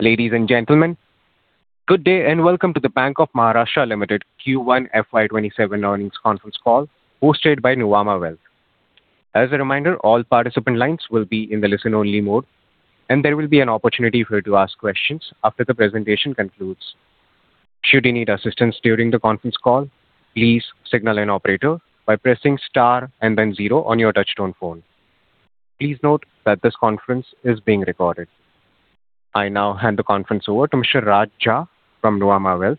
Ladies and gentlemen, good day and welcome to the Bank of Maharashtra Limited Q1 FY 2027 earnings conference call hosted by Nuvama Wealth. As a reminder, all participant lines will be in the listen-only mode, and there will be an opportunity for you to ask questions after the presentation concludes. Should you need assistance during the conference call, please signal an operator by pressing star and then zero on your touch-tone phone. Please note that this conference is being recorded. I now hand the conference over to Mr. Raj Jha from Nuvama Wealth.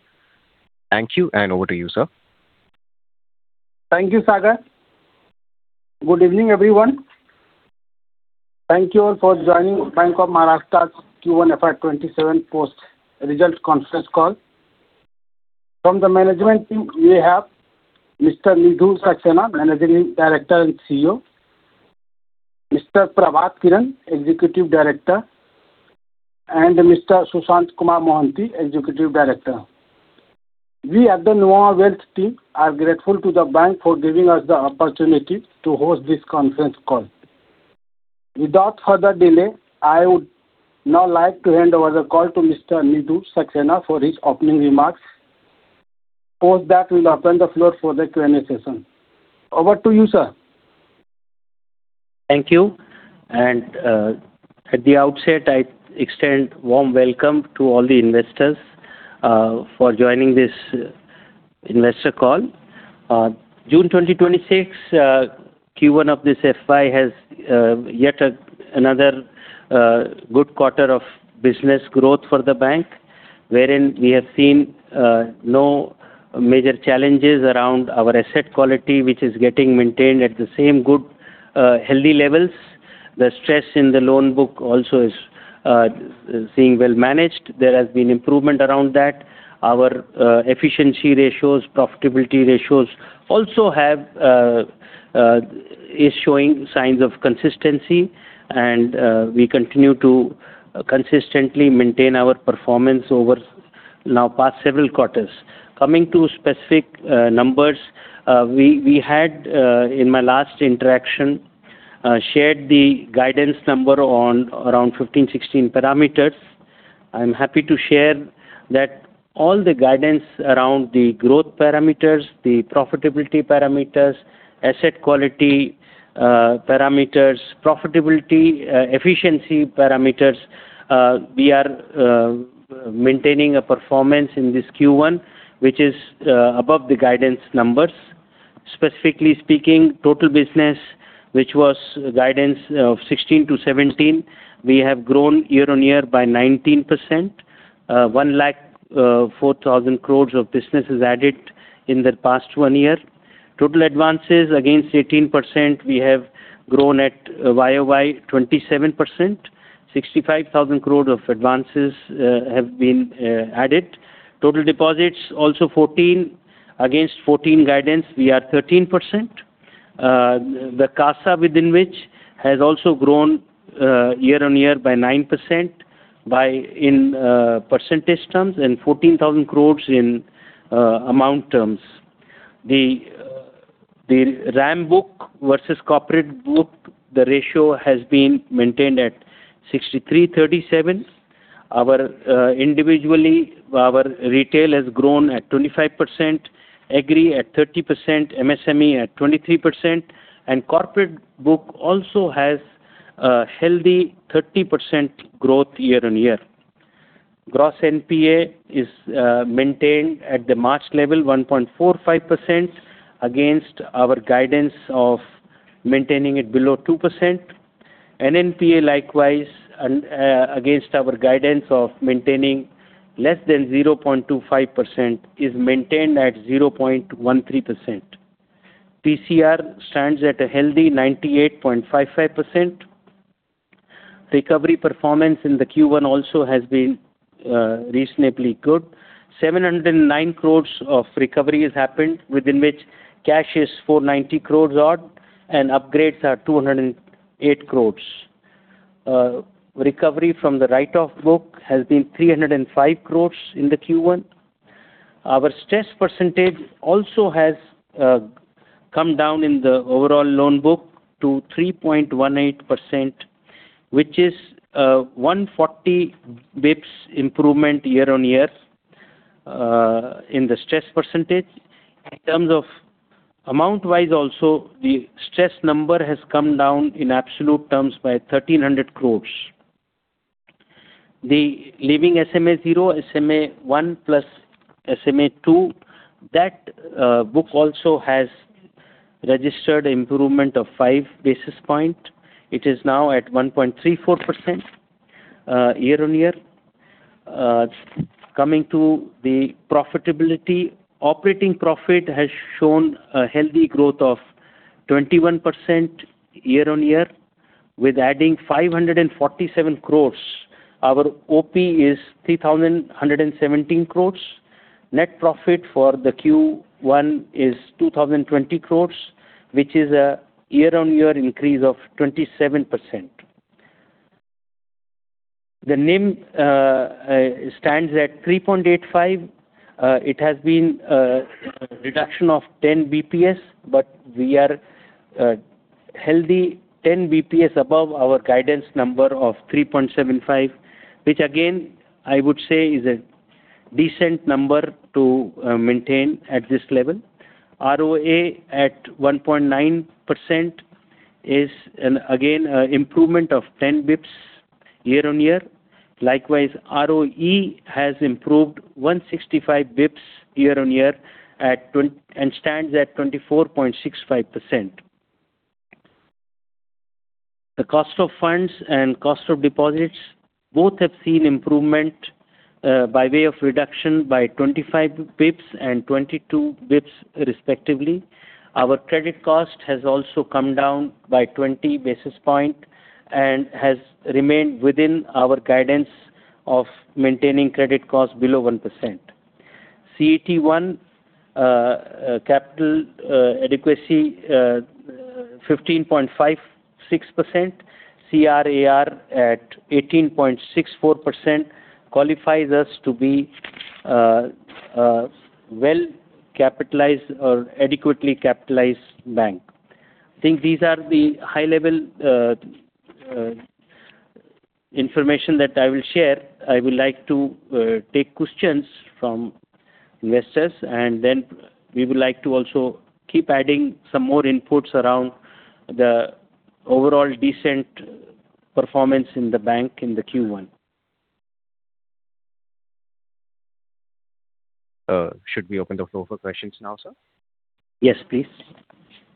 Thank you, and over to you, sir. Thank you, Sagar. Good evening, everyone. Thank you all for joining Bank of Maharashtra's Q1 FY 2027 post-result conference call. From the management team, we have Mr. Nidhu Saxena, Managing Director and CEO; Mr. Prabhat Kiran, Executive Director; and Mr. Sushanta Kumar Mohanty, Executive Director. We at the Nuvama Wealth team are grateful to the bank for giving us the opportunity to host this conference call. Without further delay, I would now like to hand over the call to Mr. Nidhu Saxena for his opening remarks. Post that, we will open the floor for the Q&A session. Over to you, sir. Thank you. At the outset, I extend a warm welcome to all the investors for joining this investor call. June 2026, Q1 of this FY has yet another good quarter of business growth for the bank, wherein we have seen no major challenges around our asset quality, which is getting maintained at the same good, healthy levels. The stress in the loan book also is seeing well managed. There has been improvement around that. Our efficiency ratios, profitability ratios also is showing signs of consistency, and we continue to consistently maintain our performance over now past several quarters. Coming to specific numbers, we had, in my last interaction, shared the guidance number on around 15, 16 parameters. I am happy to share that all the guidance around the growth parameters, the profitability parameters, asset quality parameters, profitability efficiency parameters, we are maintaining a performance in this Q1, which is above the guidance numbers. Specifically speaking, total business, which was guidance of 16%-17%, we have grown year-on-year by 19%. 104,000 crore of business is added in the past one year. Total advances against 18%, we have grown at YoY 27%, 65,000 crore of advances have been added. Total deposits, also 14%. Against 14% guidance, we are 13%. The CASA within which has also grown year-on-year by 9% in percentage terms and 14,000 crore in amount terms. The RAM book versus corporate book, the ratio has been maintained at 63:37. Individually, our retail has grown at 25%, agri at 30%, MSME at 23%, and corporate book also has a healthy 30% growth year-on-year. Gross NPA is maintained at the March level, 1.45%, against our guidance of maintaining it below 2%. NNPA, likewise, against our guidance of maintaining less than 0.25%, is maintained at 0.13%. PCR stands at a healthy 98.55%. Recovery performance in the Q1 also has been reasonably good. 709 crore of recovery has happened, within which cash is 490 crore odd, and upgrades are 208 crore. Recovery from the write-off book has been 305 crore in the Q1. Our stress percentage also has come down in the overall loan book to 3.18%, which is a 140-basis-point improvement year-on-year in the stress percentage. In terms of amount-wise also, the stress number has come down in absolute terms by 1,300 crore. The leaving SMA-0, SMA-1 plus SMA-2, that book also has registered improvement of 5 basis points. It is now at 1.34% year-on-year. Coming to the profitability, operating profit has shown a healthy growth of 21% year-on-year, with adding 547 crore. Our OP is 3,117 crore. Net profit for the Q1 is 2,020 crore, which is a year-on-year increase of 27%. The NIM stands at 3.85%. It has been a reduction of 10 basis points, but we are healthy 10 basis points above our guidance number of 3.75%, which again, I would say is a decent number to maintain at this level. ROA at 1.9% is again an improvement of 10 basis points year-on-year. Likewise, ROE has improved 165 basis points year-on-year and stands at 24.65%. The cost of funds and cost of deposits both have seen improvement by way of reduction by 25 basis points and 22 basis points, respectively. Our credit cost has also come down by 20 basis points and has remained within our guidance of maintaining credit cost below 1%. CET1 capital adequacy 15.56%, CRAR at 18.64% qualifies us to be a well-capitalized or adequately capitalized bank. I think these are the high-level information that I will share. I would like to take questions from investors, and then, we would like to also keep adding some more inputs around the overall decent performance in the bank in the Q1. Should we open the floor for questions now, sir? Yes, please.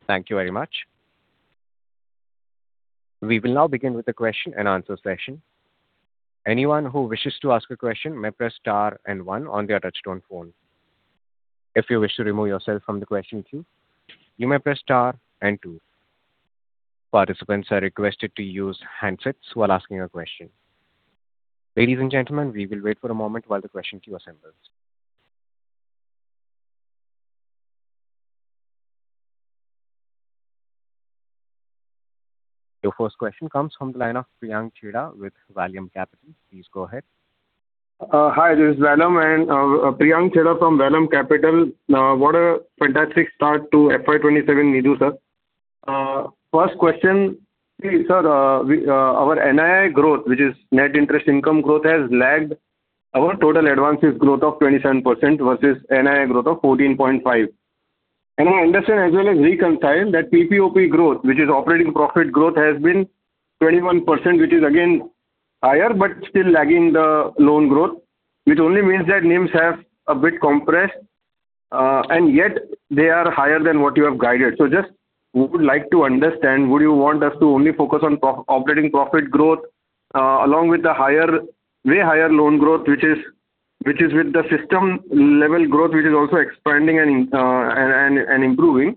Thank you very much. We will now begin with the question-and-answer session. Anyone who wishes to ask a question may press star and one on their touch-tone phone. If you wish to remove yourself from the question queue, you may press star and two. Participants are requested to use handsets while asking a question. Ladies and gentlemen, we will wait for a moment while the question queue assembles. Your first question comes from the line of Priyank Chheda with Vallum Capital. Please go ahead. Hi, this is Priyank Chheda from Vallum Capital. What a fantastic start to FY 2027, Nidhu sir. First question. Sir, our NII growth, which is net interest income growth, has lagged our total advances growth of 27% versus NII growth of 14.5%. I understand as well as reconcile that PPOP growth, which is operating profit growth, has been 21%, which is again higher, but still lagging the loan growth. Which only means that NIMs have a bit compressed, and yet they are higher than what you have guided. Just would like to understand, would you want us to only focus on operating profit growth, along with the way higher loan growth, which is with the system level growth, which is also expanding and improving?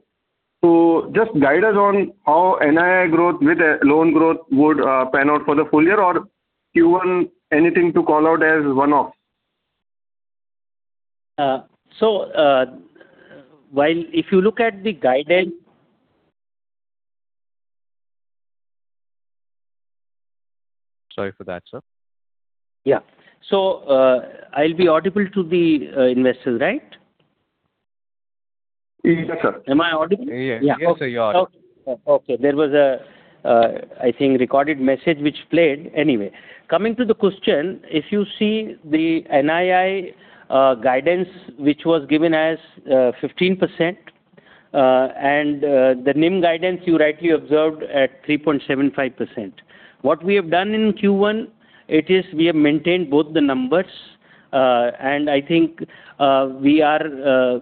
Just guide us on how NII growth with loan growth would pan out for the full year, or Q1, anything to call out as one-off. If you look at the guidance. Sorry for that, sir. Yeah. I'll be audible to the investors, right? Yes, sir. Am I audible? Yes, sir, you are. Okay. There was a, I think, recorded message which played. Anyway. Coming to the question, if you see the NII guidance, which was given as 15%, and the NIM guidance, you rightly observed, at 3.75%. What we have done in Q1, it is we have maintained both the numbers. I think we are,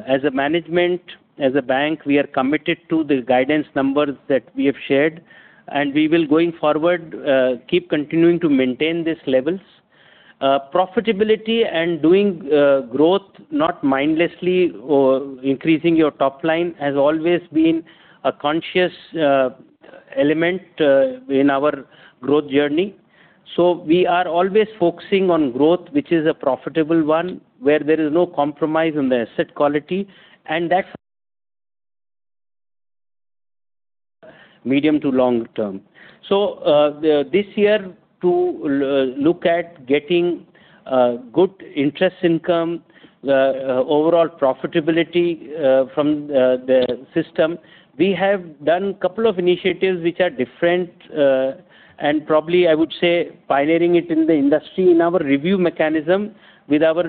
as a management, as a bank, we are committed to the guidance numbers that we have shared, and we will going forward keep continuing to maintain these levels. Profitability and doing growth, not mindlessly increasing your top line, has always been a conscious element in our growth journey. We are always focusing on growth, which is a profitable one, where there is no compromise on the asset quality, and that's medium to long-term. This year, to look at getting good interest income, overall profitability from the system, we have done a couple of initiatives which are different, and probably, I would say, pioneering it in the industry in our review mechanism with our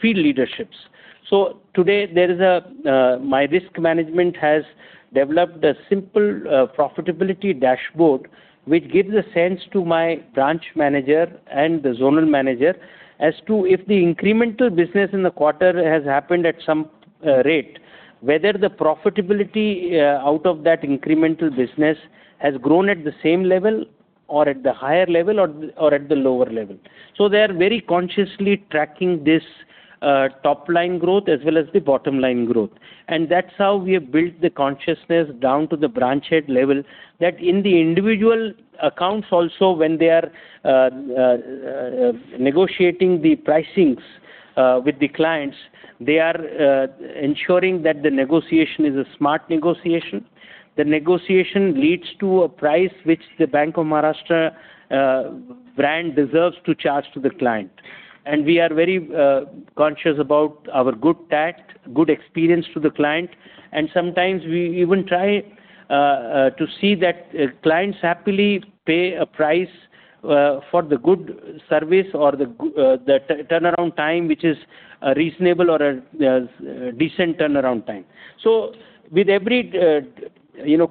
field leaderships. Today, my risk management has developed a simple profitability dashboard, which gives a sense to my branch manager and the zonal manager as to if the incremental business in the quarter has happened at some rate, whether the profitability out of that incremental business has grown at the same level or at the higher level or at the lower level. They are very consciously tracking this top-line growth as well as the bottom-line growth. That's how we have built the consciousness down to the branch head level that in the individual accounts also, when they are negotiating the pricings with the clients, they are ensuring that the negotiation is a smart negotiation. The negotiation leads to a price which the Bank of Maharashtra brand deserves to charge to the client. We are very conscious about our good tact, good experience to the client, and sometimes we even try to see that clients happily pay a price for the good service or the turnaround time, which is reasonable or a decent turnaround time. With every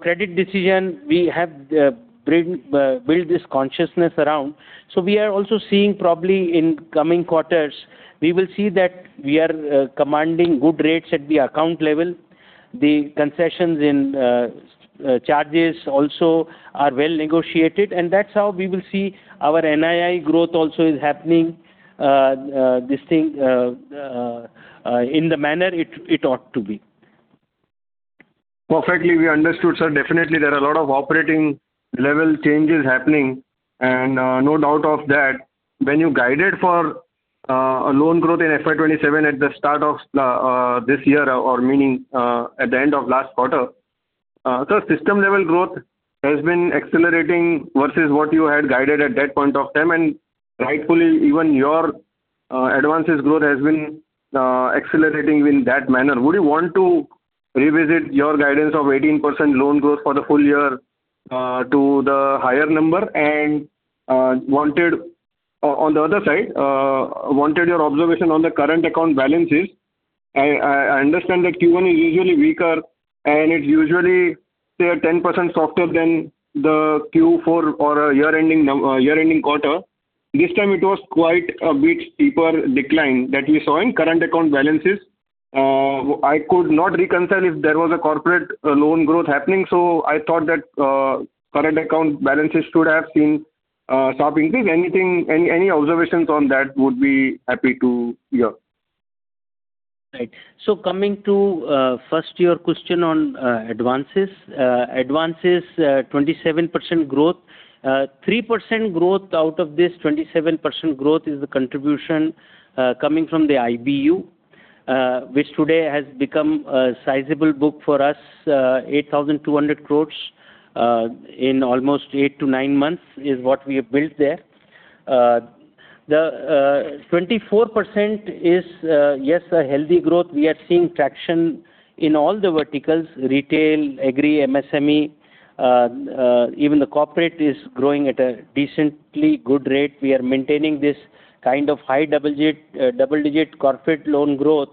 credit decision, we have built this consciousness around. We are also seeing probably in coming quarters, we will see that we are commanding good rates at the account level. The concessions in charges also are well negotiated, and that's how we will see our NII growth also is happening, this thing, in the manner it ought to be. Perfectly, we understood, sir. Definitely, there are a lot of operating-level changes happening, and no doubt of that. When you guided for a loan growth in FY 2027 at the start of this year or meaning, at the end of last quarter, system-level growth has been accelerating versus what you had guided at that point of time. Rightfully, even your advances growth has been accelerating in that manner. Would you want to revisit your guidance of 18% loan growth for the full year to the higher number? And on the other side, wanted your observation on the current account balances. I understand that Q1 is usually weaker and it's usually, say, a 10% softer than the Q4 or year-ending quarter. This time, it was quite a bit steeper decline that we saw in current account balances. I could not reconcile if there was a corporate loan growth happening, so I thought that current account balances should have seen softening. Any observations on that would be happy to hear. Right. Coming to, first, your question on advances. Advances, 27% growth. 3% growth out of this 27% growth is the contribution coming from the IBU which today has become a sizable book for us, 8,200 crore in almost eight to nine months is what we have built there. The 24% is, yes, a healthy growth. We are seeing traction in all the verticals, retail, agri, MSME. Even the corporate is growing at a decently good rate. We are maintaining this kind of high double-digit corporate loan growth.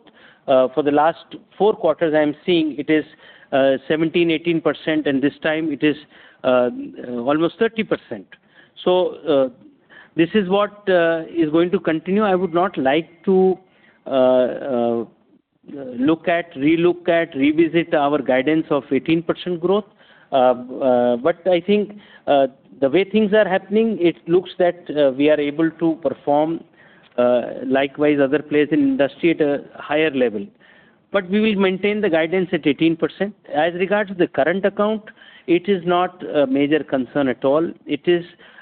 For the last four quarters, I am seeing it is 17%-18%, and this time, it is almost 30%. This is what is going to continue. I would not like to look at, relook at, revisit our guidance of 18% growth. But I think the way things are happening, it looks that we are able to perform likewise other players in industry at a higher level. We will maintain the guidance at 18%. As regards the current account, it is not a major concern at all. It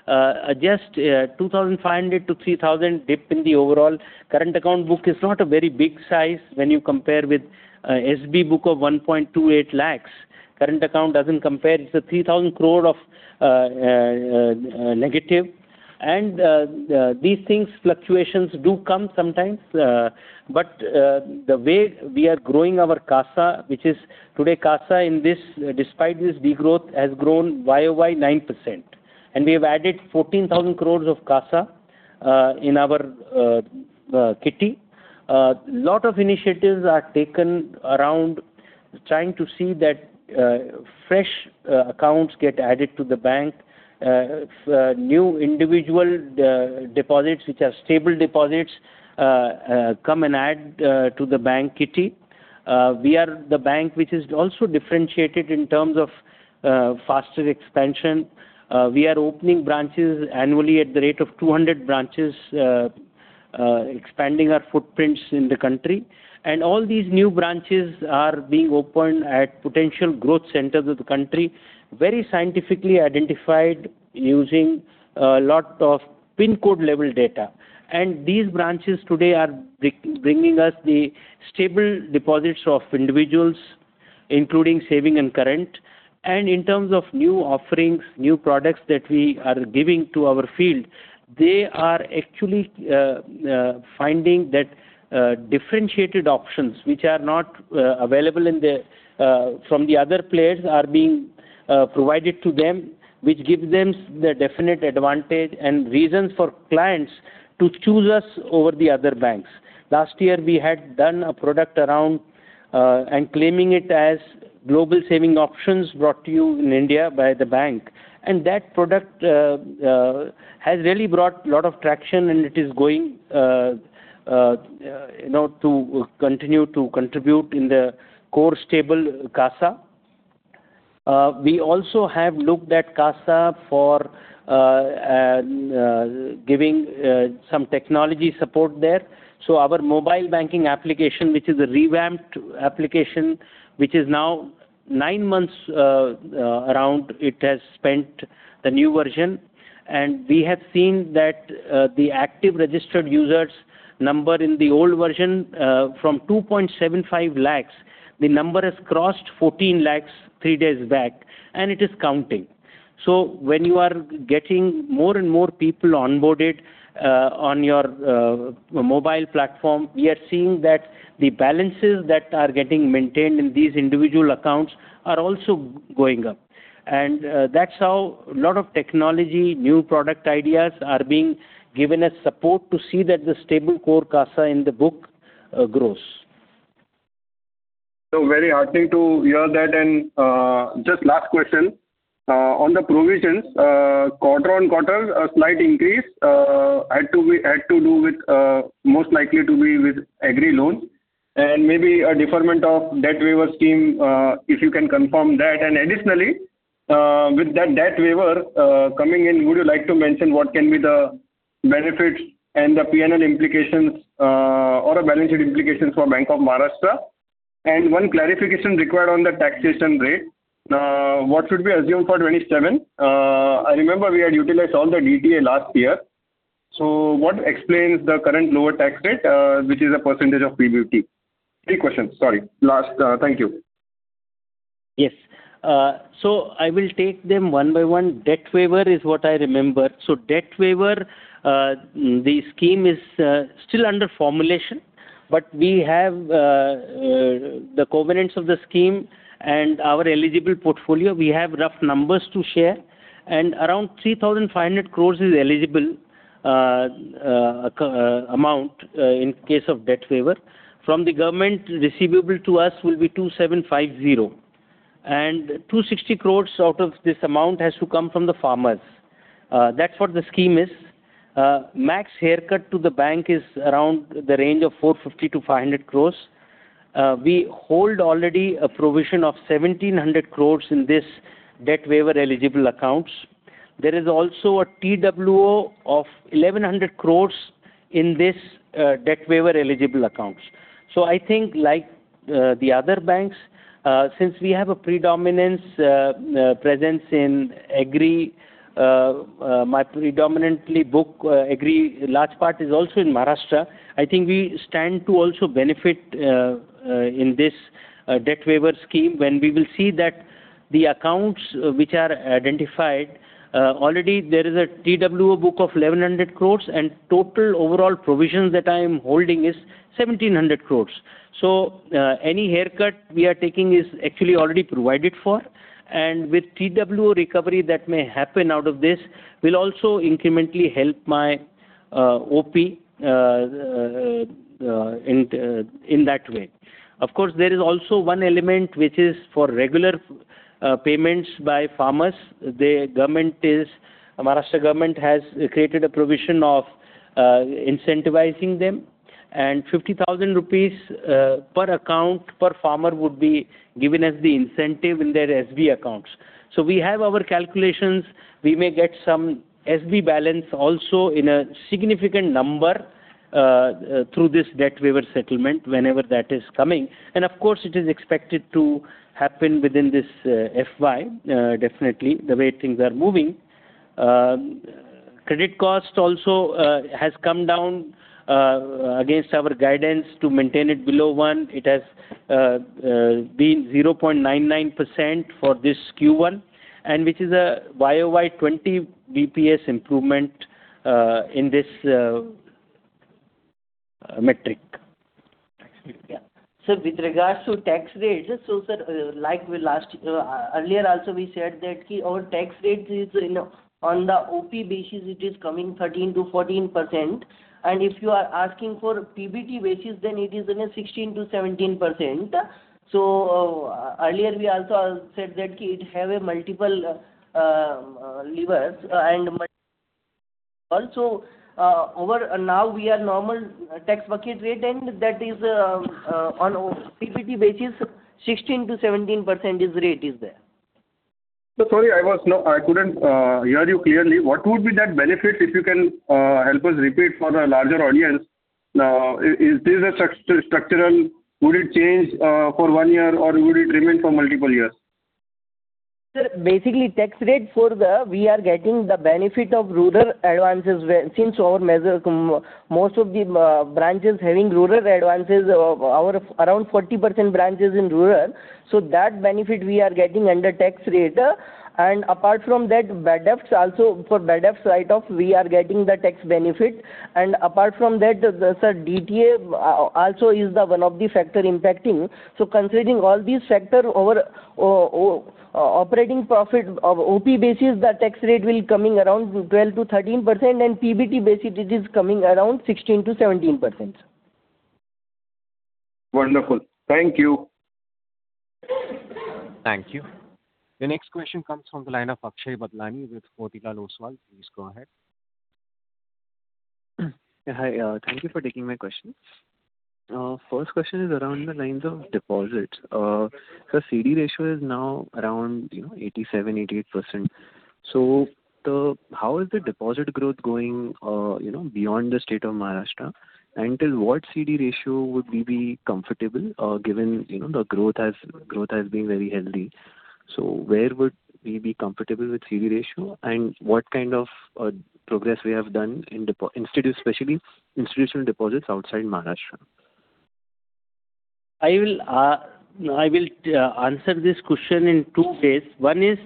is just 2,500-3,000 dip in the overall. Current account book is not a very big size when you compare with SB book of 1.28 lakh. Current account does not compare. It is an 3,000 crore of negative. These things, fluctuations do come sometimes, but the way we are growing our CASA, which is today CASA in this, despite this degrowth, has grown YoY 9%. We have added 14,000 crore of CASA in our kitty. A lot of initiatives are taken around trying to see that fresh accounts get added to the bank. New individual deposits, which are stable deposits, come and add to the bank kitty. We are the bank which is also differentiated in terms of faster expansion. We are opening branches annually at the rate of 200 branches, expanding our footprints in the country. All these new branches are being opened at potential growth centers of the country, very scientifically identified using a lot of pin code-level data. These branches, today, are bringing us the stable deposits of individuals, including saving and current. In terms of new offerings, new products that we are giving to our field, they are actually finding that differentiated options, which are not available from the other players are being provided to them, which gives them the definite advantage and reasons for clients to choose us over the other banks. Last year, we had done a product around and claiming it as global saving options brought to you in India by the bank. That product has really brought a lot of traction, and it is going to continue to contribute in the core stable CASA. We also have looked at CASA for giving some technology support there. Our mobile banking application, which is a revamped application, which is now nine months around it has spent the new version. We have seen that the active registered users number in the old version from 2.75 lakh. The number has crossed 14 lakh three days back, and it is counting. When you are getting more and more people onboarded on your mobile platform, we are seeing that the balances that are getting maintained in these individual accounts are also going up. That is how a lot of technology, new product ideas are being given as support to see that the stable core CASA in the book grows. Very heartening to hear that. Just last question. On the provisions, quarter-on-quarter, a slight increase had to do with most likely to be with agri loans and maybe a deferment of Debt Waiver Scheme, if you can confirm that. Additionally, with that debt waiver coming in, would you like to mention what can be the benefits and the P&L implications or a balance sheet implication for Bank of Maharashtra? And one clarification required on the taxation rate. What should we assume for 2027? I remember we had utilized all the DTA last year. So, what explains the current lower tax rate, which is a percentage of PBT? Three questions, sorry. Last. Thank you. Yes. I will take them one by one. Debt waiver is what I remember. Debt waiver, the scheme is still under formulation, but we have the covenants of the scheme and our eligible portfolio. We have rough numbers to share, and around 3,500 crore is eligible amount in case of debt waiver. From the government receivable to us will be 2,750 crore. 260 crore out of this amount has to come from the farmers. That's what the scheme is. Max haircut to the bank is around the range of 450 crore-500 crore. We hold already a provision of 1,700 crore in this debt waiver-eligible accounts. There is also a TWO of 1,100 crore in this debt waiver-eligible accounts. I think, like the other banks, since we have a predominance presence in agri, my predominantly book agri, large part is also in Maharashtra. I think we stand to also benefit in this Debt Waiver Scheme when we will see that the accounts which are identified, already there is a TWO book of 1,100 crore, and total overall provisions that I am holding is 1,700 crore. Any haircut we are taking is actually already provided for. With TWO recovery that may happen out of this will also incrementally help my OP in that way. Of course, there is also one element which is for regular payments by farmers. The Maharashtra government has created a provision of incentivizing them, and 50,000 rupees per account per farmer would be given as the incentive in their SB accounts. We have our calculations. We may get some SB balance also in a significant number through this debt waiver settlement, whenever that is coming. Of course, it is expected to happen within this FY, definitely, the way things are moving. Credit cost also has come down against our guidance to maintain it below 1%. It has been 0.99% for this Q1, and which is a YoY 20 basis points improvement in this metric. Yeah. So, with regards to tax rates, sir, earlier, also we said that our tax rates is on the OP basis, it is coming 13%-14%. And if you are asking for PBT basis, then it is in a 16%-17%. Earlier, we also said that it have a multiple levers. Also, now, we are normal tax bucket rate and that is on a PBT basis, 16%-17% is rate is there. Sorry, I couldn't hear you clearly. What would be that benefit, if you can help us repeat for the larger audience? Now, is this a structural, would it change for one year, or would it remain for multiple years? Sir, basically tax rate for the, we are getting the benefit of rural advances since most of the branches having rural advances, around 40% branches in rural. So, that benefit we are getting under tax rate. Apart from that, bad debts also. For bad debts write-off, we are getting the tax benefit. Apart from that, sir, DTA also is the one of the factors impacting. Considering all these factors over operating profit of OP basis, the tax rate will coming around 12%-13%, and PBT basis it is coming around 16%-17%, sir. Wonderful. Thank you. Thank you. The next question comes from the line of Akshay Badlani with Motilal Oswal. Please go ahead. Hi. Thank you for taking my questions. First question is around the lines of deposits. Sir, CD ratio is now around 87%, 88%. So, how is the deposit growth going beyond the state of Maharashtra? And till what CD ratio would we be comfortable, given the growth has been very healthy? Where would we be comfortable with CD ratio and what kind of progress we have done, especially institutional deposits outside Maharashtra? I will answer this question in two ways. One is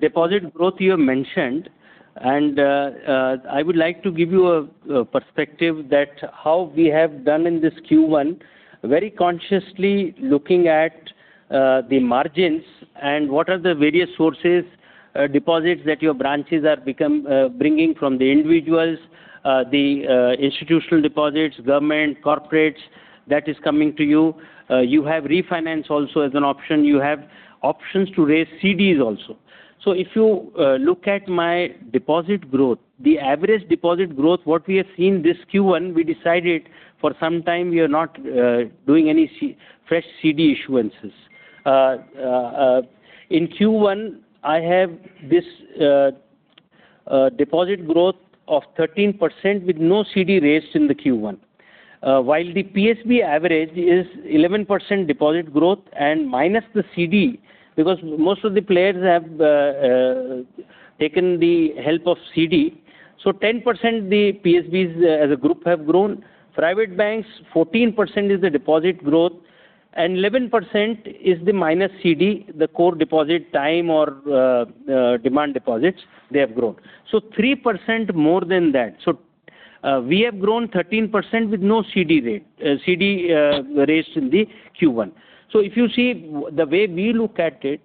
deposit growth you have mentioned, and I would like to give you a perspective that how we have done in this Q1, very consciously looking at the margins and what are the various sources, deposits that your branches are bringing from the individuals, the institutional deposits, government, corporates, that is coming to you. You have refinance also as an option. You have options to raise CDs also. If you look at my deposit growth, the average deposit growth, what we have seen this Q1, we decided for some time we are not doing any fresh CD issuances. In Q1, I have this deposit growth of 13% with no CD raised in the Q1. While the PSB average is 11% deposit growth and minus the CD, because most of the players have taken the help of CD, so 10% the PSBs as a group have grown. Private banks, 14% is the deposit growth, and 11% is the minus CD, the core deposit time or demand deposits they have grown. 3% more than that. We have grown 13% with no CD raised in the Q1. If you see the way we look at it,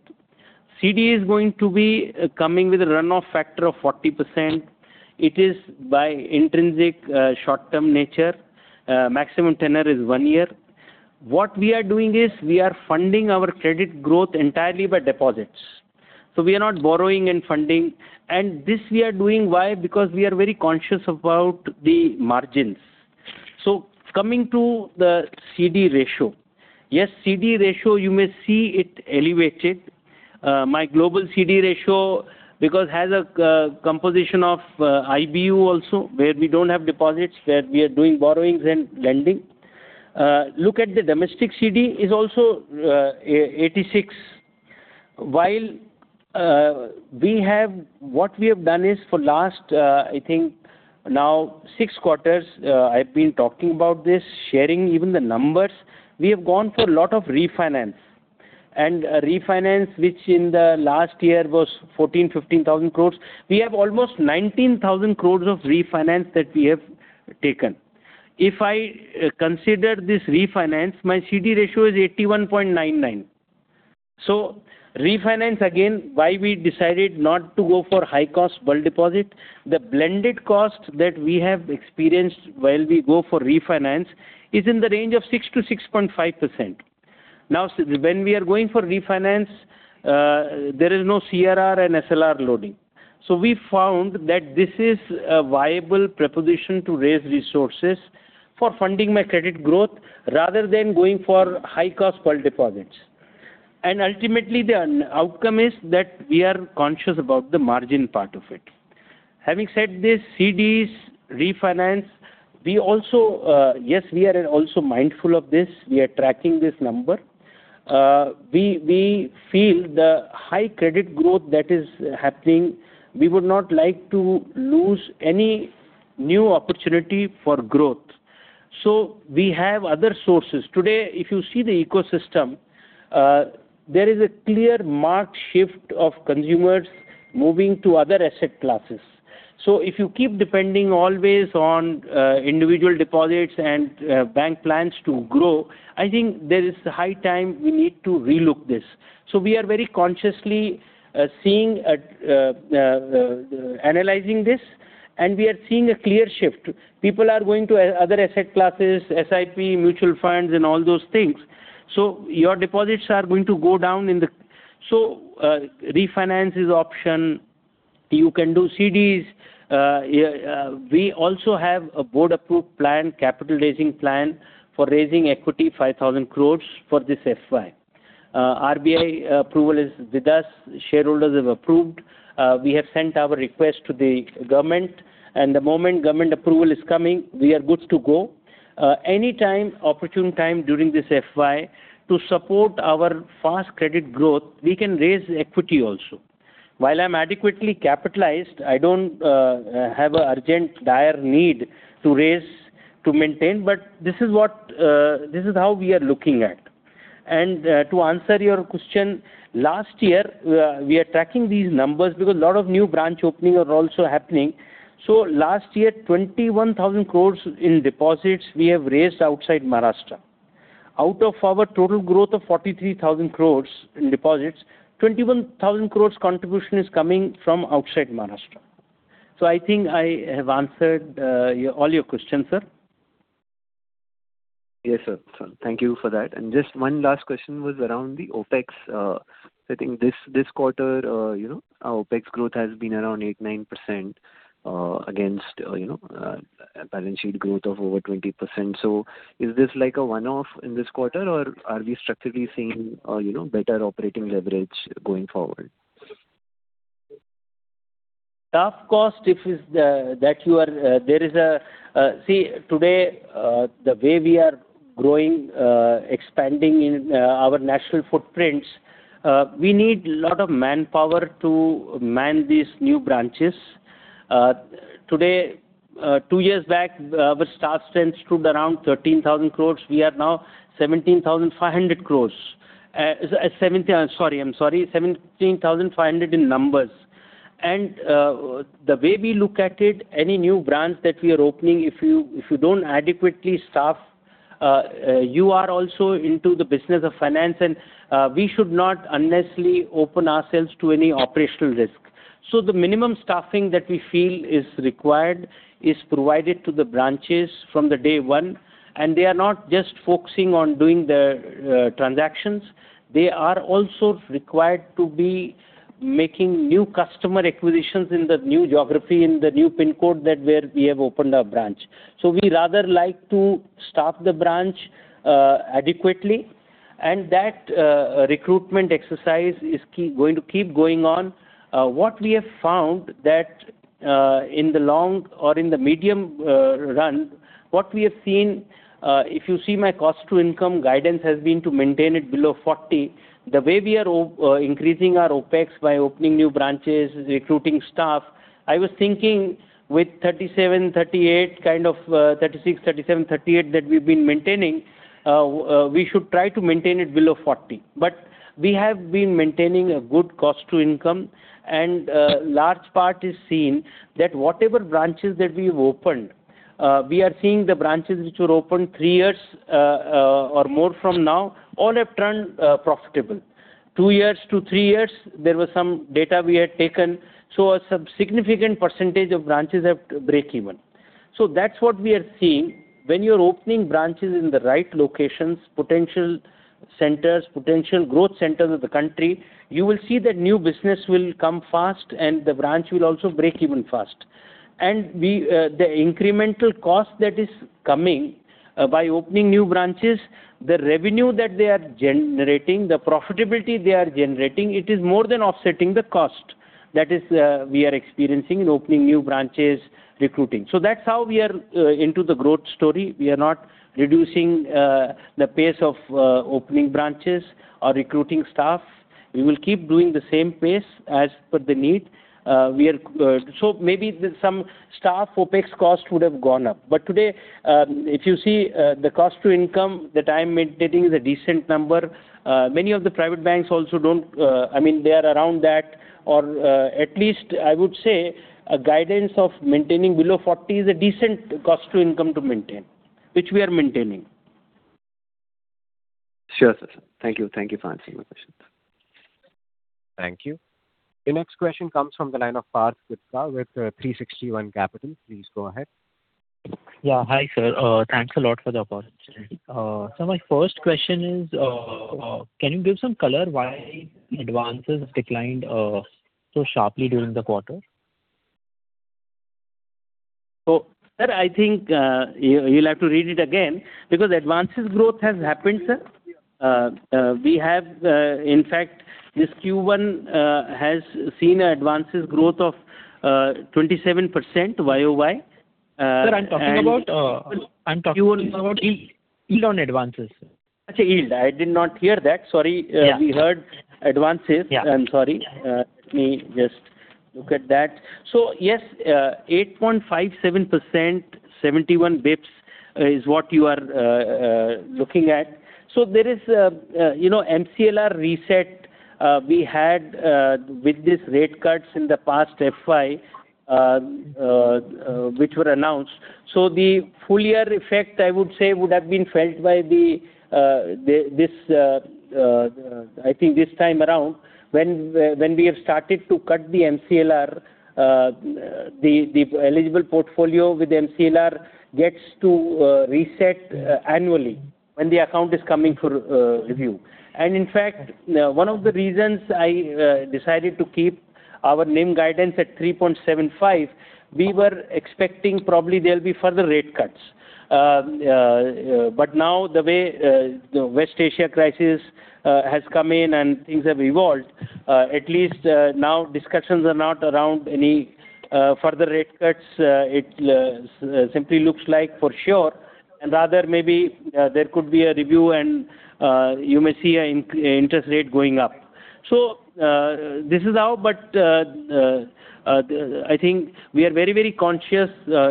CD is going to be coming with a runoff factor of 40%. It is by intrinsic short-term nature. Maximum tenure is one year. What we are doing is we are funding our credit growth entirely by deposits. We are not borrowing and funding. This we are doing, why? Because we are very conscious about the margins. Coming to the CD ratio, yes, CD ratio, you may see it elevated. My global CD ratio, because has a composition of IBU also where we don't have deposits, where we are doing borrowings and lending, look at the domestic CD is also 86%. What we have done is for last, I think now six quarters, I've been talking about this, sharing even the numbers, we have gone for lot of refinance, and refinance, which in the last year was 14,000 crore, 15,000 crore. We have almost 19,000 crore of refinance that we have taken. If I consider this refinance, my CD ratio is 81.99%. So, refinance again, why we decided not to go for high-cost bulk deposit, the blended cost that we have experienced while we go for refinance is in the range of 6%-6.5%. Now, when we are going for refinance, there is no CRR and SLR loading. We found that this is a viable proposition to raise resources for funding my credit growth rather than going for high-cost bulk deposits. Ultimately, the outcome is that we are conscious about the margin part of it. Having said this, CDs, refinance, yes, we are also mindful of this. We are tracking this number. We feel the high credit growth that is happening, we would not like to lose any new opportunity for growth. We have other sources. Today, if you see the ecosystem, there is a clear marked shift of consumers moving to other asset classes. If you keep depending always on individual deposits and bank plans to grow, I think there is a high time we need to relook this. We are very consciously analyzing this, and we are seeing a clear shift. People are going to other asset classes, SIP, mutual funds, and all those things. Your deposits are going to go down. Refinance is option. You can do CDs. We also have a board-approved plan, capital-raising plan for raising equity 5,000 crore for this FY. RBI approval is with us. Shareholders have approved. We have sent our request to the government. The moment government approval is coming, we are good to go. Anytime, opportune time during this FY to support our fast credit growth, we can raise equity also. While I'm adequately capitalized, I don't have an urgent dire need to raise to maintain, but this is how we are looking at. To answer your question, last year, we are tracking these numbers because lot of new branch opening are also happening. Last year, 21,000 crore in deposits we have raised outside Maharashtra. Out of our total growth of 43,000 crore in deposits, 21,000 crore contribution is coming from outside Maharashtra. I think I have answered all your questions, sir. Yes, sir. Thank you for that. Just one last question was around the OpEx. I think this quarter, our OpEx growth has been around 8%, 9% against a balance sheet growth of over 20%. Is this like a one-off in this quarter or are we structurally seeing better operating leverage going forward? Staff cost, this is the, there is a, see, today, the way we are growing, expanding in our national footprints, we need a lot of manpower to man these new branches. Two years back, our staff strength stood around 13,000 crore. We are now 17,500 crore, I'm sorry, 17,500 in numbers. The way we look at it, any new branch that we are opening, if you don't adequately staff, you are also into the business of finance, and we should not unnecessarily open ourselves to any operational risk. The minimum staffing that we feel is required is provided to the branches from the day one, and they are not just focusing on doing the transactions. They are also required to be making new customer acquisitions in the new geography, in the new PIN code where we have opened our branch. We rather like to staff the branch adequately, and that recruitment exercise is going to keep going on. What we have found, that in the long or in the medium run, what we have seen, if you see my cost-to-income guidance has been to maintain it below 40%. The way we are increasing our OpEx by opening new branches, recruiting staff, I was thinking with 37%, 38% kind of, 36%, 37%, 38% that we've been maintaining, we should try to maintain it below 40%. But we have been maintaining a good cost-to-income, and a large part is seen that whatever branches that we have opened, we are seeing the branches which were opened three years or more from now, all have turned profitable. Two years to three years, there was some data we had taken. A significant percentage of branches have break-even. That's what we are seeing. When you're opening branches in the right locations, potential centers, potential growth centers of the country, you will see that new business will come fast and the branch will also break-even fast. The incremental cost that is coming by opening new branches, the revenue that they are generating, the profitability they are generating, it is more than offsetting the cost that we are experiencing in opening new branches, recruiting. That's how we are into the growth story. We are not reducing the pace of opening branches or recruiting staff. We will keep doing the same pace as per the need. Maybe, some staff OpEx cost would have gone up. But today, if you see the cost-to-income that I'm maintaining is a decent number. Many of the private banks also don't, I mean, they are around that, or at least I would say a guidance of maintaining below 40% is a decent cost to income to maintain, which we are maintaining. Sure, sir. Thank you. Thank you for answering my questions. Thank you. The next question comes from the line of Parth Gutka with 360 ONE Capital. Please go ahead. Yeah. Hi, sir. Thanks a lot for the opportunity. Sir, my first question is, can you give some color why advances declined so sharply during the quarter? Sir, I think you'll have to read it again because advances growth has happened, sir. We have, in fact, this Q1 has seen advances growth of 27% YoY. Sir, I'm talking about, I'm talking about yield on advances. Okay, yield. I did not hear that, sorry. Yeah. We heard advances. Yeah. I'm sorry. Let me just look at that. Yes, 8.57%, 71 basis points is what you are looking at. There is MCLR reset we had with these rate cuts in the past FY, which were announced. The full-year effect, I would say, would have been felt by, I think, this time around when we have started to cut the MCLR. The eligible portfolio with MCLR gets to reset annually when the account is coming for review. In fact, one of the reasons I decided to keep our NIM guidance at 3.75%, we were expecting probably there will be further rate cuts. But now, the way the West Asia crisis has come in and things have evolved, at least now, discussions are not around any further rate cuts. It simply looks like for sure, and rather maybe there could be a review, and you may see an interest rate going up. So, this is how, but I think we are very conscious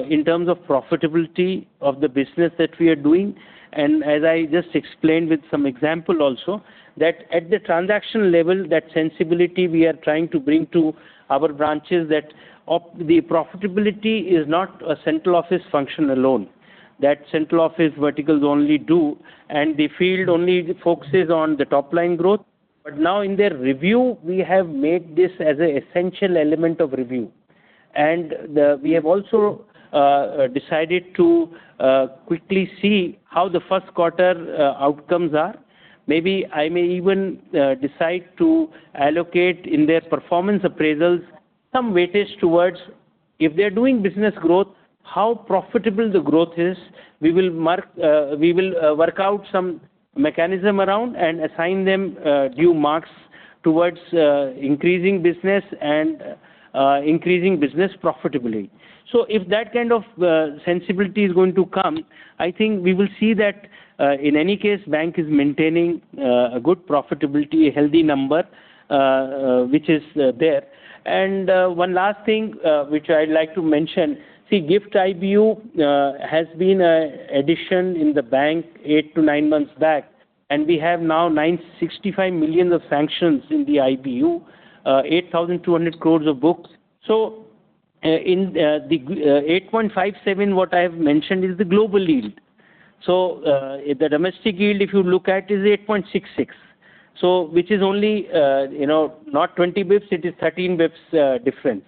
in terms of profitability of the business that we are doing, and as I just explained with some example also, that at the transaction level, that sensibility we are trying to bring to our branches that the profitability is not a central office function alone, that central office verticals only do, and the field only focuses on the top-line growth. Now, in their review, we have made this as an essential element of review. We have also decided to quickly see how the first quarter outcomes are. Maybe, I may even decide to allocate in their performance appraisals some weightage towards if they are doing business growth, how profitable the growth is, we will work out some mechanism around and assign them due marks towards increasing business and increasing business profitability. If that kind of sensibility is going to come, I think we will see that, in any case, bank is maintaining a good profitability, a healthy number, which is there. One last thing which I'd like to mention. See, GIFT IBU has been an addition in the bank eight to nine months back, and we have now $965 million of sanctions in the IBU, 8,200 crore of books. In the 8.57%, what I have mentioned is the global yield. The domestic yield, if you look at, is 8.66%, which is only not 20 basis points, it is 13 basis points difference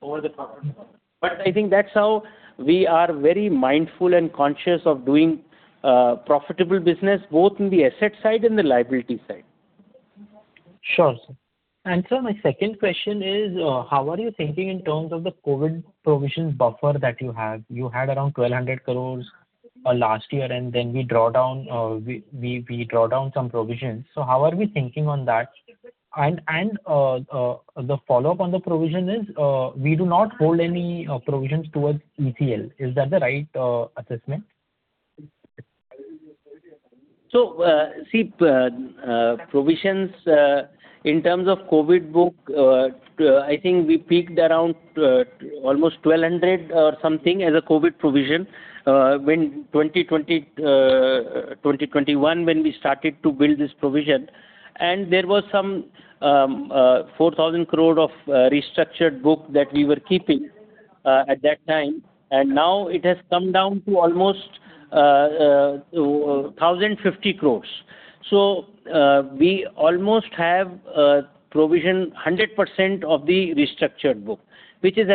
over the quarter. I think that's how we are very mindful and conscious of doing profitable business, both in the asset side and the liability side. Sure, sir. Sir, my second question is, how are you thinking in terms of the COVID provisions buffer that you have? You had around 1,200 crore last year, and then we draw down some provisions. How are we thinking on that? And the follow-up on the provision is, we do not hold any provisions towards ECL. Is that the right assessment? Provisions, in terms of COVID book, I think we peaked around almost 1,200 or something as a COVID provision, when 2020, 2021, when we started to build this provision. There was some 4,000 crore of restructured book that we were keeping at that time, and now, it has come down to almost 1,050 crore. We almost have a provision 100% of the restructured book, which is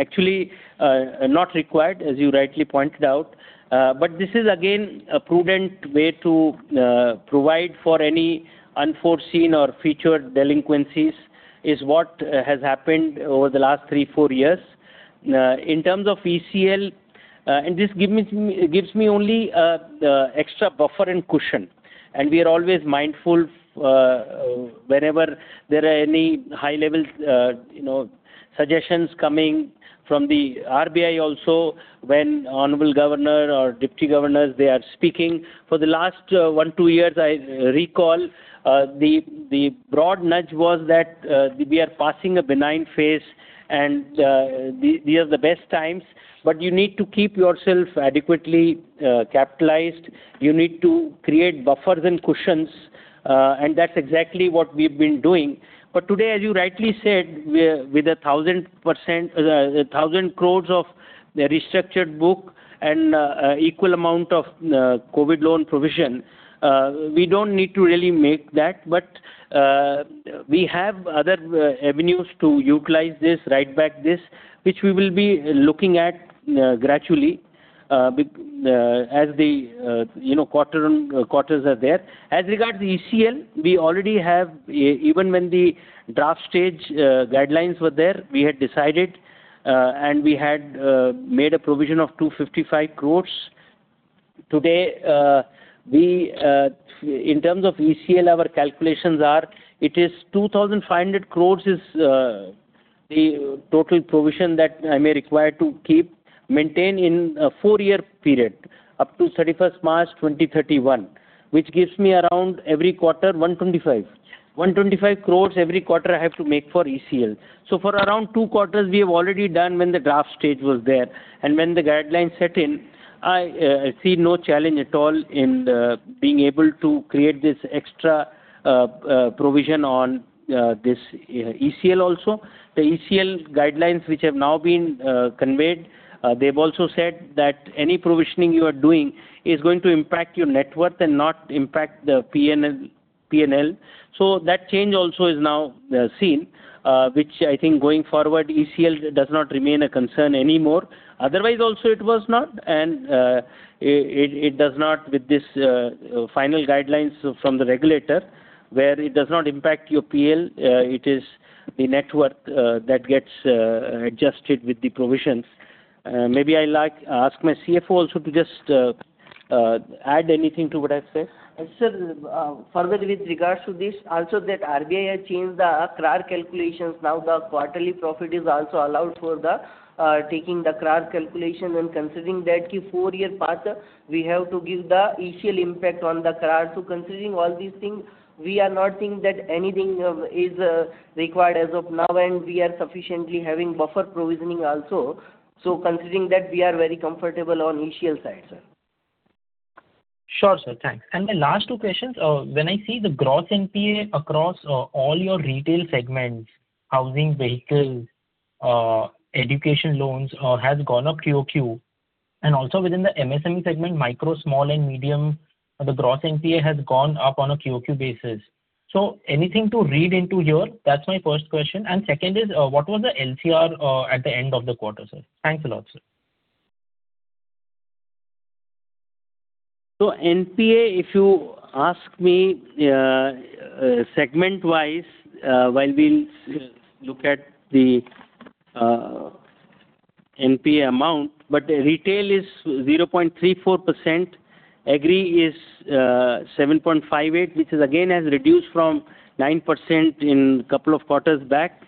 actually not required, as you rightly pointed out. But this is, again, a prudent way to provide for any unforeseen or featured delinquencies, is what has happened over the last three, four years. In terms of ECL, this gives me only extra buffer and cushion, and we are always mindful whenever there are any high-level suggestions coming from the RBI also, when Honorable Governor or Deputy Governors, they are speaking. For the last one, two years, I recall, the broad nudge was that we are passing a benign phase, and these are the best times, but you need to keep yourself adequately capitalized. You need to create buffers and cushions, and that's exactly what we've been doing. But today, as you rightly said, with 1,000 crore of the restructured book and equal amount of COVID loan provision, we don't need to really make that. We have other avenues to utilize this, write back this, which we will be looking at gradually as the quarters are there. As regards the ECL, we already have, even when the draft stage guidelines were there, we had decided, we had made a provision of 255 crore. Today, in terms of ECL, our calculations are, it is 2,500 crore is the total provision that I may require to keep, maintain in a four-year period up to 31st March 2031, which gives me around, every quarter, 125 crore. 125 crore every quarter I have to make for ECL. For around two quarters, we have already done when the draft stage was there. When the guidelines set in, I see no challenge at all in being able to create this extra provision on this ECL also. The ECL guidelines, which have now been conveyed, they have also said that any provisioning you are doing is going to impact your net worth and not impact the P&L. That change also is now seen, which I think going forward, ECL does not remain a concern anymore. Otherwise, also it was not, and it does not with this final guidelines from the regulator, where it does not impact your P&L. It is the net worth that gets adjusted with the provisions. Maybe, I will ask my CFO also to just add anything to what I have said. Sir, further with regards to this, also that RBI has changed the CRAR calculations. Now, the quarterly profit is also allowed for taking the CRAR calculation and considering that four years past, we have to give the ECL impact on the CRAR. Considering all these things, we are not seeing that anything is required as of now, and we are sufficiently having buffer provisioning also. Considering that, we are very comfortable on ECL side, sir. Sure, sir. Thanks. And my last two questions. When I see the gross NPA across all your retail segments, housing, vehicles, education loans, has gone up QoQ. Also, within the MSME segment, micro, small, and medium, the gross NPA has gone up on a QoQ basis. So, anything to read into here? That is my first question. Second is, what was the LCR at the end of the quarter, sir? Thanks a lot, sir. NPA, if you ask me, segment-wise, while we look at the NPA amount, retail is 0.34%; agri is 7.58%, which, again, has reduced from 9% in a couple of quarters back;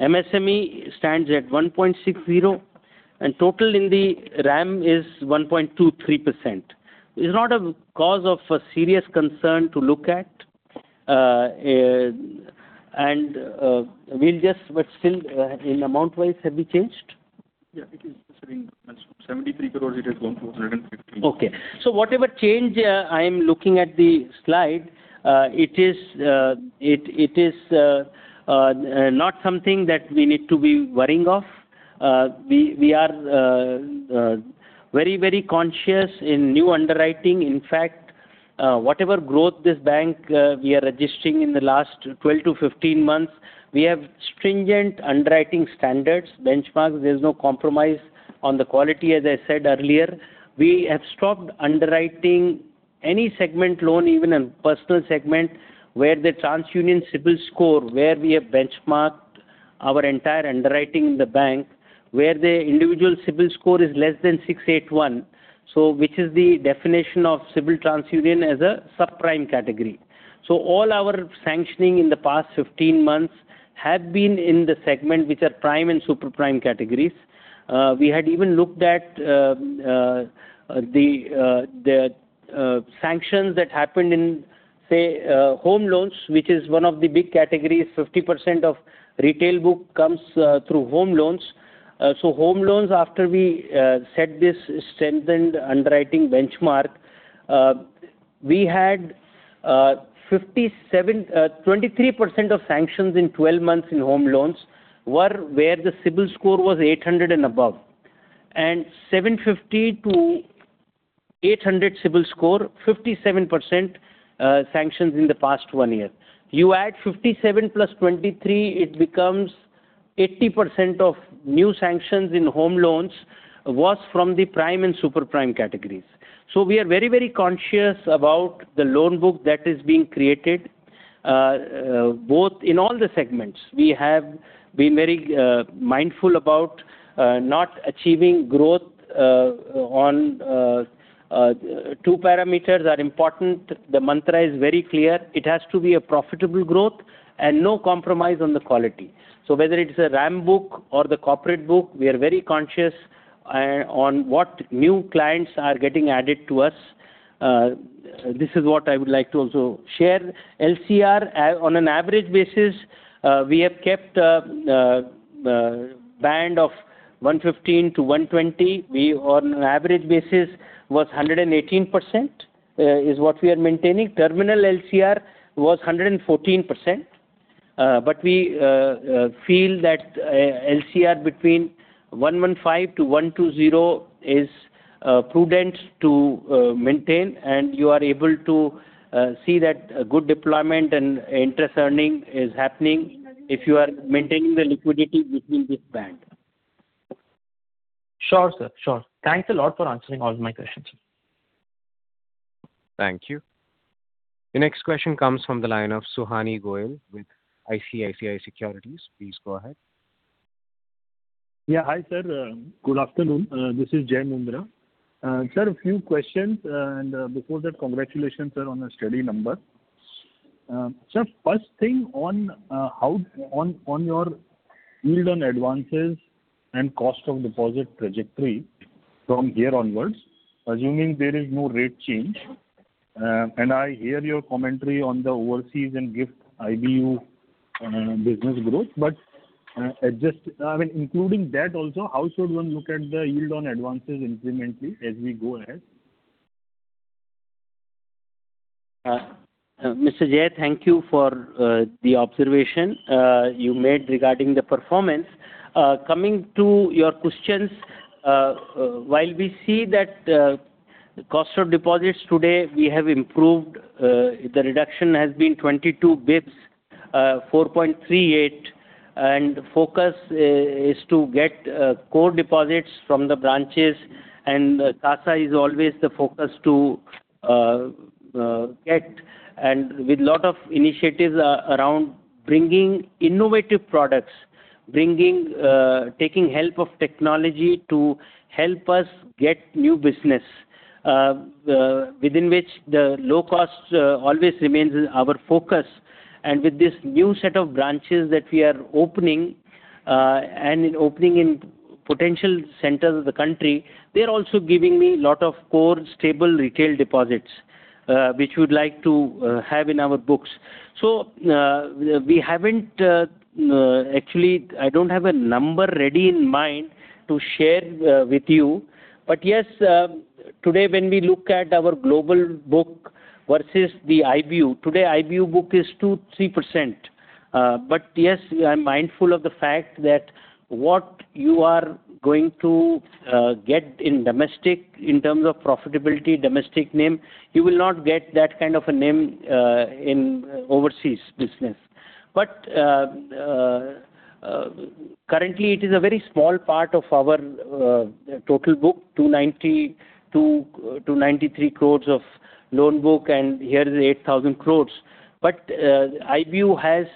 MSME stands at 1.60%; and total in the RAM is 1.23%. It's not a cause of serious concern to look at. Still, in amount-wise, have we changed? It is increasing. 73 crore, it has gone to 115 crore. Okay. So, whatever change I am looking at the slide, it is not something that we need to be worrying of. We are very, very conscious in new underwriting. In fact, whatever growth this bank we are registering in the last 12-15 months, we have stringent underwriting standards, benchmarks. There's no compromise on the quality, as I said earlier. We have stopped underwriting any segment loan, even in personal segment, where the TransUnion CIBIL score, where we have benchmarked our entire underwriting in the bank, where the individual CIBIL score is less than 681, which is the definition of CIBIL TransUnion as a sub-prime category. All our sanctioning in the past 15 months had been in the segment which are prime and super prime categories. We had even looked at the sanctions that happened in, say, home loans, which is one of the big categories. 50% of retail book comes through home loans. So, home loans, after we set this strengthened underwriting benchmark, we had 23% of sanctions in 12 months in home loans were where the CIBIL score was 800 and above, and 750 to 800 CIBIL score, 57% sanctions in the past one year. You add 57 plus 23, it becomes 80% of new sanctions in home loans was from the prime and super prime categories. We are very, very conscious about the loan book that is being created. Both, in all the segments, we have been very mindful about not achieving growth on two parameters are important. The mantra is very clear. It has to be a profitable growth and no compromise on the quality. Whether it is a RAM book or the corporate book, we are very conscious on what new clients are getting added to us. This is what I would like to also share. LCR, on an average basis, we have kept a band of 115%-120%. We, on an average basis, was 118%, is what we are maintaining. Terminal LCR was 114%, but we feel that LCR between 115%-120% is prudent to maintain, and you are able to see that good deployment and interest earning is happening if you are maintaining the liquidity within this band. Sure, sir. Sure. Thanks a lot for answering all my questions. Thank you. The next question comes from the line of Suhani Goyal with ICICI Securities. Please go ahead. Yeah. Hi, sir. Good afternoon. This is Jai Mundhra. Sir, a few questions. Before that, congratulations, sir, on a steady number. Sir, first thing on your yield on advances and cost of deposit trajectory from here onwards, assuming there is no rate change, and I hear your commentary on the overseas and GIFT IBU business growth, but including that also, how should one look at the yield on advances incrementally as we go ahead? Mr. Jai, thank you for the observation you made regarding the performance. Coming to your questions, while we see that cost of deposits today, we have improved. The reduction has been 22 basis points, 4.38%, and focus is to get core deposits from the branches. CASA is always the focus to get, and with lot of initiatives around bringing innovative products, taking help of technology to help us get new business, within which the low cost always remains our focus. With this new set of branches that we are opening and opening in potential centers of the country, they are also giving me lot of core stable retail deposits, which we would like to have in our books. So, we haven't, actually, I don't have a number ready in mind to share with you. But yes, today, when we look at our global book versus the IBU, today IBU book is 2%-3%. But yes, I'm mindful of the fact that what you are going to get in domestic in terms of profitability, domestic NIM, you will not get that kind of a NIM in overseas business. Currently, it is a very small part of our total book, 293 crore of loan book, and here is 8,000 crore. IBU has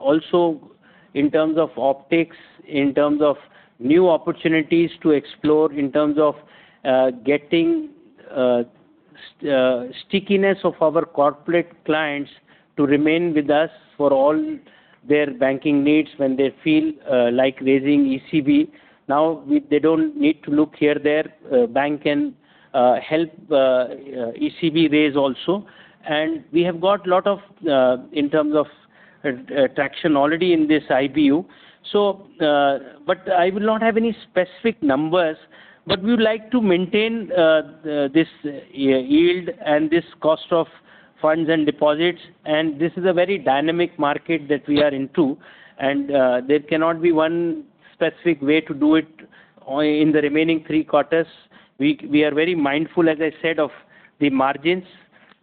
also, in terms of optics, in terms of new opportunities to explore, in terms of getting stickiness of our corporate clients to remain with us for all their banking needs when they feel like raising ECB, now, they don't need to look here, there. Bank can help ECB raise also. We have got lot of in terms of traction already in this IBU. I will not have any specific numbers. But we would like to maintain this yield and this cost of funds and deposits. This is a very dynamic market that we are into. There cannot be one specific way to do it in the remaining three quarters. We are very mindful, as I said, of the margins,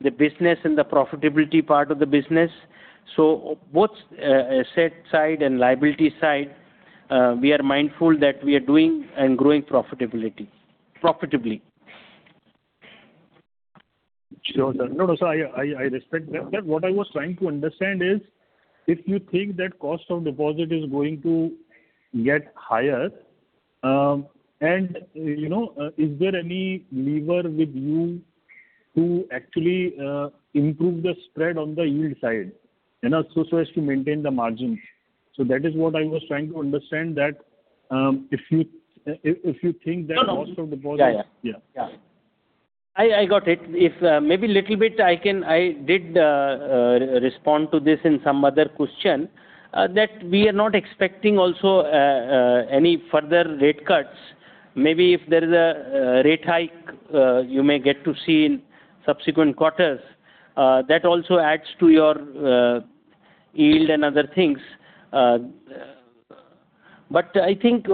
the business, and the profitability part of the business. Both asset side and liability side, we are mindful that we are doing and growing profitably. Sure, sir. No, sir, I respect that. What I was trying to understand is, if you think that cost of deposit is going to get higher, is there any lever with you to actually improve the spread on the yield side so as to maintain the margin? That is what I was trying to understand that if you think that. No. Cost of deposit. Yeah. Yeah. Yeah. I got it. Maybe, little bit I can, I did respond to this in some other question. But we are not expecting also any further rate cuts. Maybe, if there is a rate hike, you may get to see in subsequent quarters. That also adds to your yield and other things. I think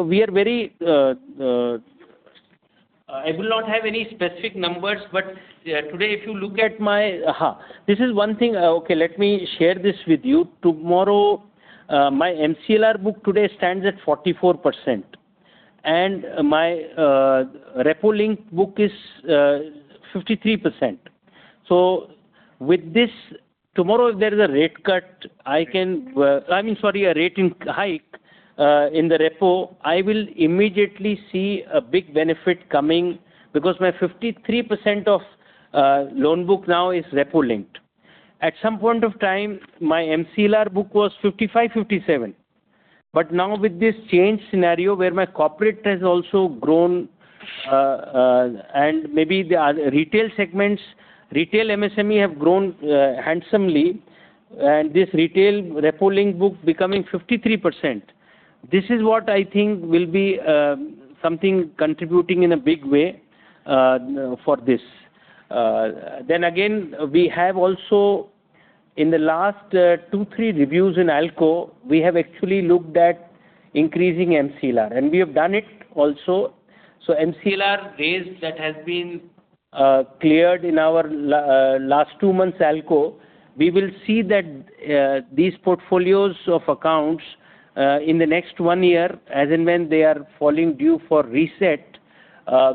I will not have any specific numbers, but today, if you look at my, this is one thing. Okay, let me share this with you. Tomorrow, my MCLR book today stands at 44%, and my repo link book is 53%. With this, tomorrow, if there is a rate cut, I can, if there is a further rate hike in the repo, I will immediately see a big benefit coming because my 53% of loan book now is repo-linked. At some point of time, my MCLR book was 55%, 57%. But now, with this change scenario where my corporate has also grown, and maybe the retail segments, retail MSME have grown handsomely, and this retail repo link book becoming 53%. This is what I think will be something contributing in a big way for this. Again, we have also in the last two, three reviews in ALCO, we have actually looked at increasing MCLR, and we have done it also. So, MCLR raise that has been cleared in our last two months ALCO, we will see that these portfolios of accounts, in the next one year, as and when they are falling due for reset,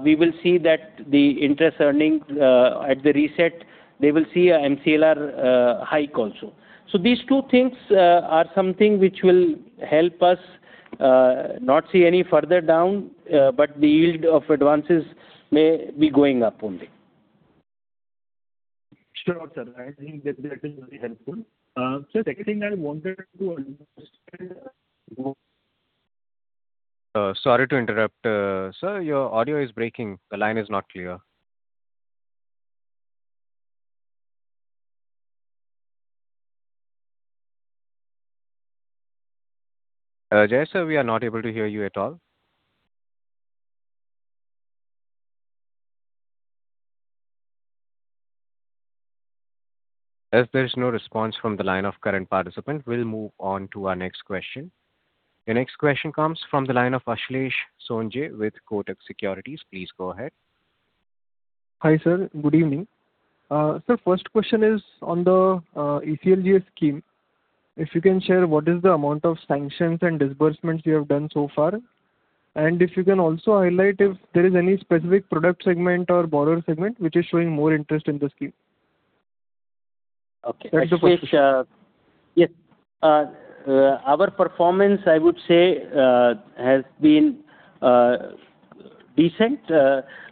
we will see that the interest earning at the reset, they will see a MCLR hike also. These two things are something which will help us not see any further down. But the yield of advances may be going up only. Sure, sir. I think that is very helpful. Sir, second thing I wanted to understand. Sorry to interrupt. Sir, your audio is breaking. The line is not clear. Jai, sir, we are not able to hear you at all. As there is no response from the line of current participant, we'll move on to our next question. The next question comes from the line of Ashlesh Sonje with Kotak Securities. Please go ahead. Hi, sir. Good evening. Sir, first question is on the ECLGS scheme. If you can share what is the amount of sanctions and disbursements you have done so far? And if you can also highlight if there is any specific product segment or borrower segment which is showing more interest in the scheme? Okay. That's the first question. Yes. Our performance, I would say, has been decent.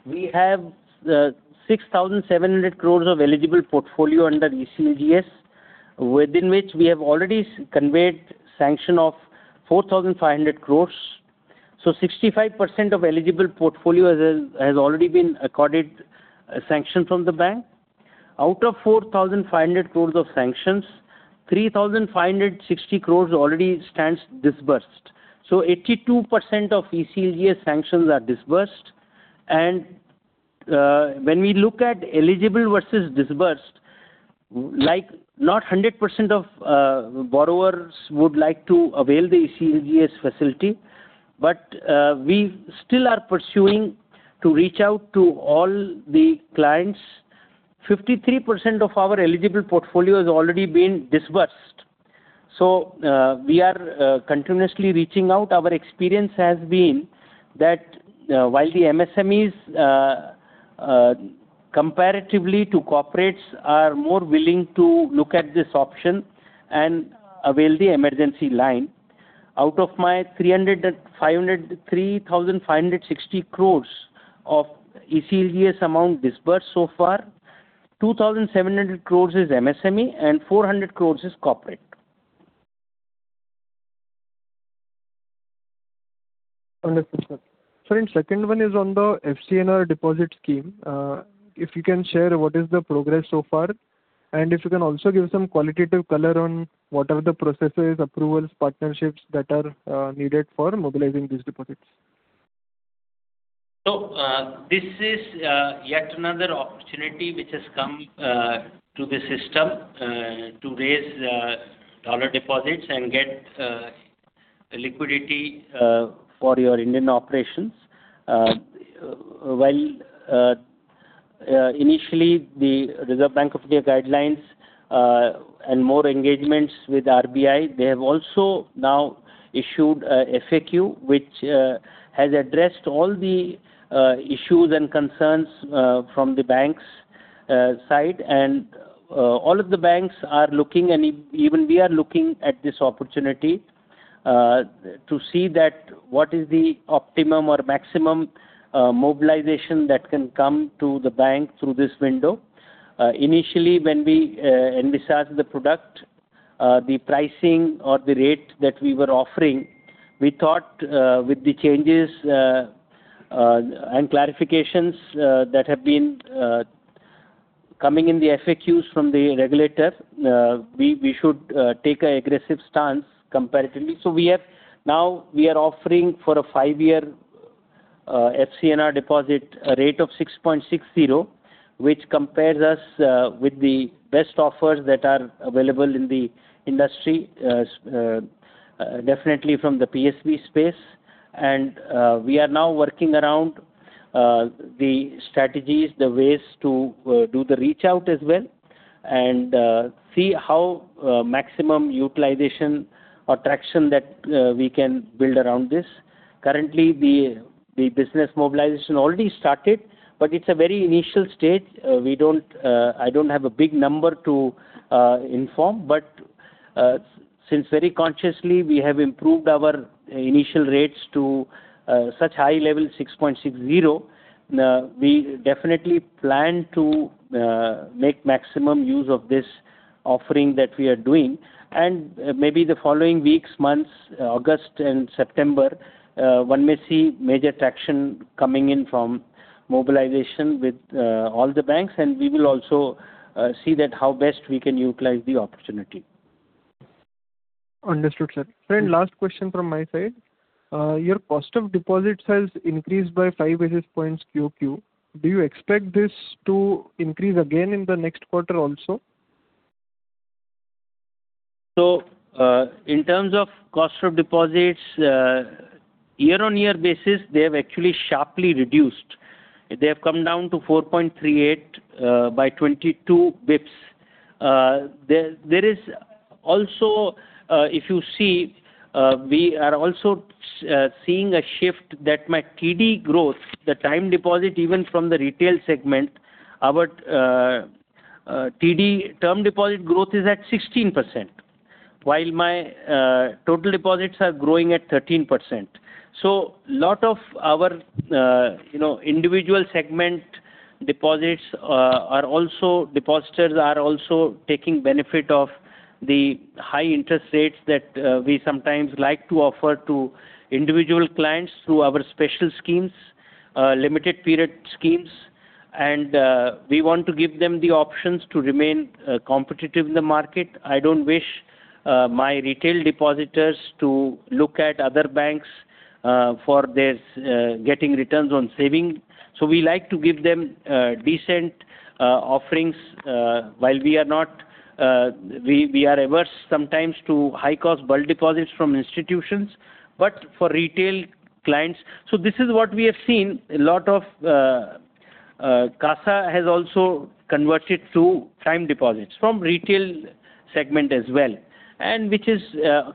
We have 6,700 crore of eligible portfolio under ECLGS, within which we have already conveyed sanction of 4,500 crore. 65% of eligible portfolio has already been accorded a sanction from the bank. Out of 4,500 crore of sanctions, 3,560 crore already stands disbursed. 82% of ECLGS sanctions are disbursed. When we look at eligible versus disbursed, like, not 100% of borrowers would like to avail the ECLGS facility. We still are pursuing to reach out to all the clients. 53% of our eligible portfolio has already been disbursed. We are continuously reaching out. Our experience has been that while the MSMEs, comparatively to corporates, are more willing to look at this option and avail the emergency line. Out of my 3,560 crore of ECLGS amount disbursed so far, 2,700 crore is MSME and 400 crore is corporate. Understood, sir. Sir, second one is on the FCNR Deposit scheme, if you can share what is the progress so far? And if you can also give some qualitative color on what are the processes, approvals, partnerships that are needed for mobilizing these deposits? This is yet another opportunity which has come to the system to raise dollar deposits and get liquidity for your Indian operations. While, initially, the Reserve Bank of India guidelines and more engagements with RBI, they have also now issued a FAQ which has addressed all the issues and concerns from the bank's side. All of the banks are looking, and even we are looking at this opportunity to see that what is the optimum or maximum mobilization that can come to the bank through this window. Initially, when we envisaged the product, the pricing or the rate that we were offering, we thought with the changes and clarifications that have been coming in the FAQs from the regulator, we should take an aggressive stance comparatively. Now, we are offering for a five-year FCNR deposit a rate of 6.60%, which compares us with the best offers that are available in the industry, definitely from the PSB space. We are now working around the strategies, the ways to do the reach out as well and see how maximum utilization or traction that we can build around this. Currently, the business mobilization already started, but it's a very initial stage. I don't have a big number to inform, but since very consciously, we have improved our initial rates to such high level, 6.60%, we definitely plan to make maximum use of this offering that we are doing. Maybe, the following weeks, months, August and September, one may see major traction coming in from mobilization with all the banks, and we will also see that how best we can utilize the opportunity. Understood, sir. Sir, last question from my side. Your cost of deposits has increased by 5 basis points QoQ. Do you expect this to increase again in the next quarter also? In terms of cost of deposits, year-on-year basis, they have actually sharply reduced. They have come down to 4.38% by 22 basis points. Also, if you see, we are also seeing a shift that my TD growth, the time deposit even from the retail segment, our TD, term deposit growth is at 16%, while my total deposits are growing at 13%. Lot of our individual segment deposits, depositors are also taking benefit of the high interest rates that we sometimes like to offer to individual clients through our special schemes, limited period schemes. We want to give them the options to remain competitive in the market. I don't wish my retail depositors to look at other banks for their getting returns on saving. We like to give them decent offerings while we are averse sometimes to high-cost bulk deposits from institutions, but for retail clients. This is what we have seen, a lot of CASA has also converted to time deposits from retail segment as well, and which is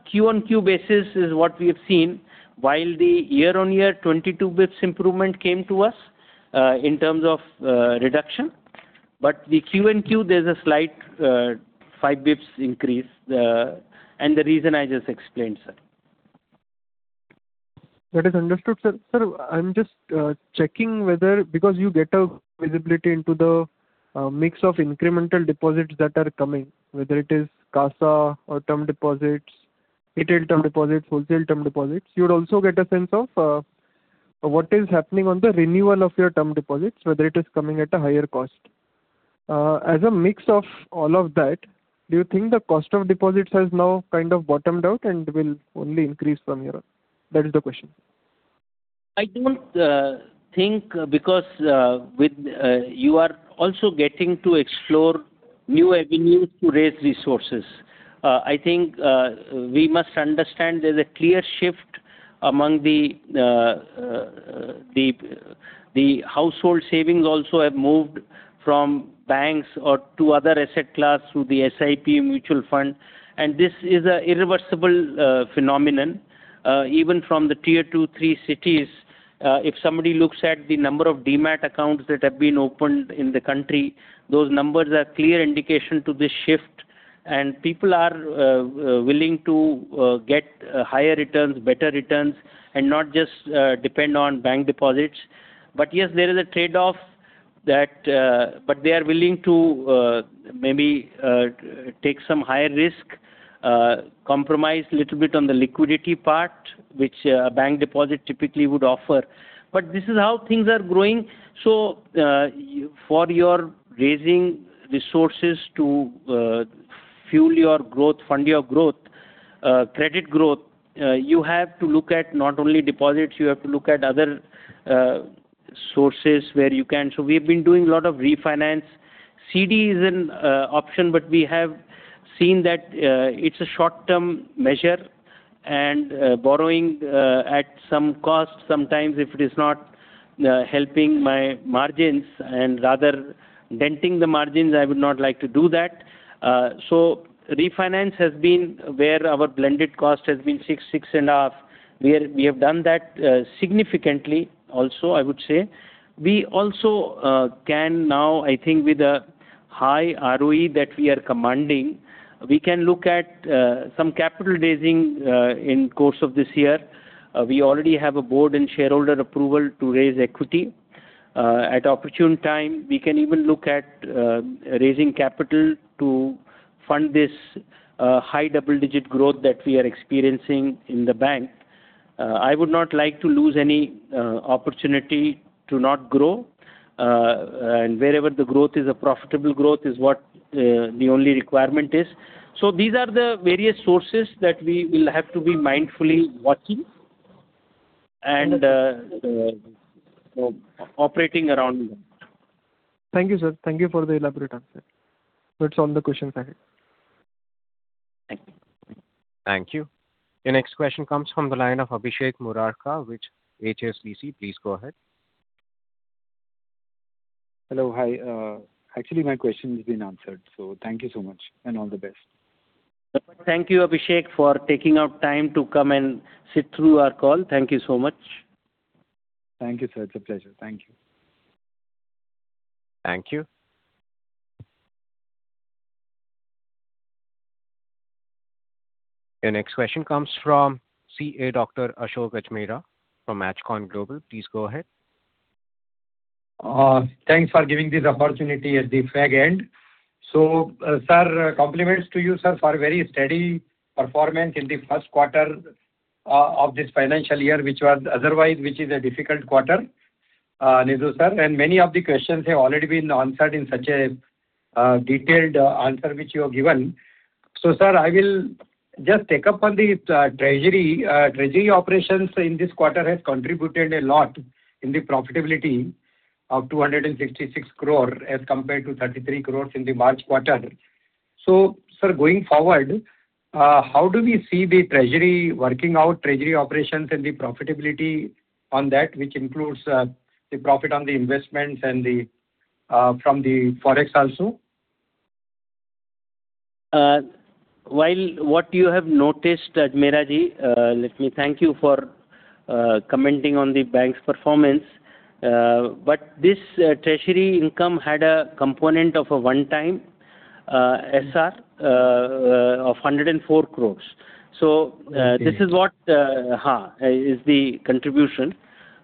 Q-on-Q basis is what we have seen while the year-on-year 22 basis points improvement came to us in terms of reduction. But the Q-on-Q, there's a slight 5 basis points increase. The reason I just explained, sir. That is understood, sir. Sir, I'm just checking whether, because you get a visibility into the mix of incremental deposits that are coming, whether it is CASA or term deposits, retail term deposits, wholesale term deposits, you would also get a sense of what is happening on the renewal of your term deposits, whether it is coming at a higher cost. As a mix of all of that, do you think the cost of deposits has now kind of bottomed out and will only increase from here on? That is the question. I don't think, because you are also getting to explore new avenues to raise resources. I think we must understand there's a clear shift among the, the household savings also have moved from banks or to other asset class through the SIP mutual fund, and this is an irreversible phenomenon. Even from the Tier 2, 3 cities, if somebody looks at the number of Demat accounts that have been opened in the country, those numbers are clear indication to this shift. People are willing to get higher returns, better returns, and not just depend on bank deposits. Yes, there is a trade-off, but they are willing to maybe take some higher risk, compromise little bit on the liquidity part, which a bank deposit typically would offer. This is how things are growing. For your raising resources to fuel your growth, fund your growth, credit growth, you have to look at not only deposits, you have to look at other sources where you can. We've been doing a lot of refinance. CD is an option, but we have seen that it's a short-term measure and borrowing at some cost, sometimes, if it is not helping my margins and rather denting the margins, I would not like to do that. Refinance has been where our blended cost has been 6.5%. We have done that significantly also, I would say. We also can now, I think with a high ROE that we are commanding, we can look at some capital raising in course of this year. We already have a board and shareholder approval to raise equity. At opportune time, we can even look at raising capital to fund this high double-digit growth that we are experiencing in the bank. I would not like to lose any opportunity to not grow. Wherever the growth is, a profitable growth, is what the only requirement is. These are the various sources that we will have to be mindfully watching and operating around them. Thank you, sir. Thank you for the elaborate answer. That's all the questions I had. Thank you. Thank you. The next question comes from the line of Abhishek Murarka with HSBC. Please go ahead. Hello. Hi. Actually, my question has been answered. Thank you so much and all the best. Thank you, Abhishek, for taking out time to come and sit through our call. Thank you so much. Thank you, sir. It's a pleasure. Thank you. Thank you. The next question comes from CA Dr. Ashok Ajmera from Ajcon Global. Please go ahead. Thanks for giving this opportunity at the fag end. Sir, compliments to you, sir, for very steady performance in the first quarter of this financial year, which otherwise, which is a difficult quarter. Many of the questions have already been answered in such a detailed answer, which you have given. Sir, I will just take up on the treasury. Treasury operations in this quarter has contributed a lot in the profitability of 266 crore as compared to 33 crore in the March quarter. Sir, going forward, how do we see the treasury working out treasury operations and the profitability on that, which includes the profit on the investments and from the forex also? What you have noticed, Ajmera ji, let me thank you for commenting on the bank's performance, but this treasury income had a component of a one-time SR of 104 crore. So, this is what is the contribution.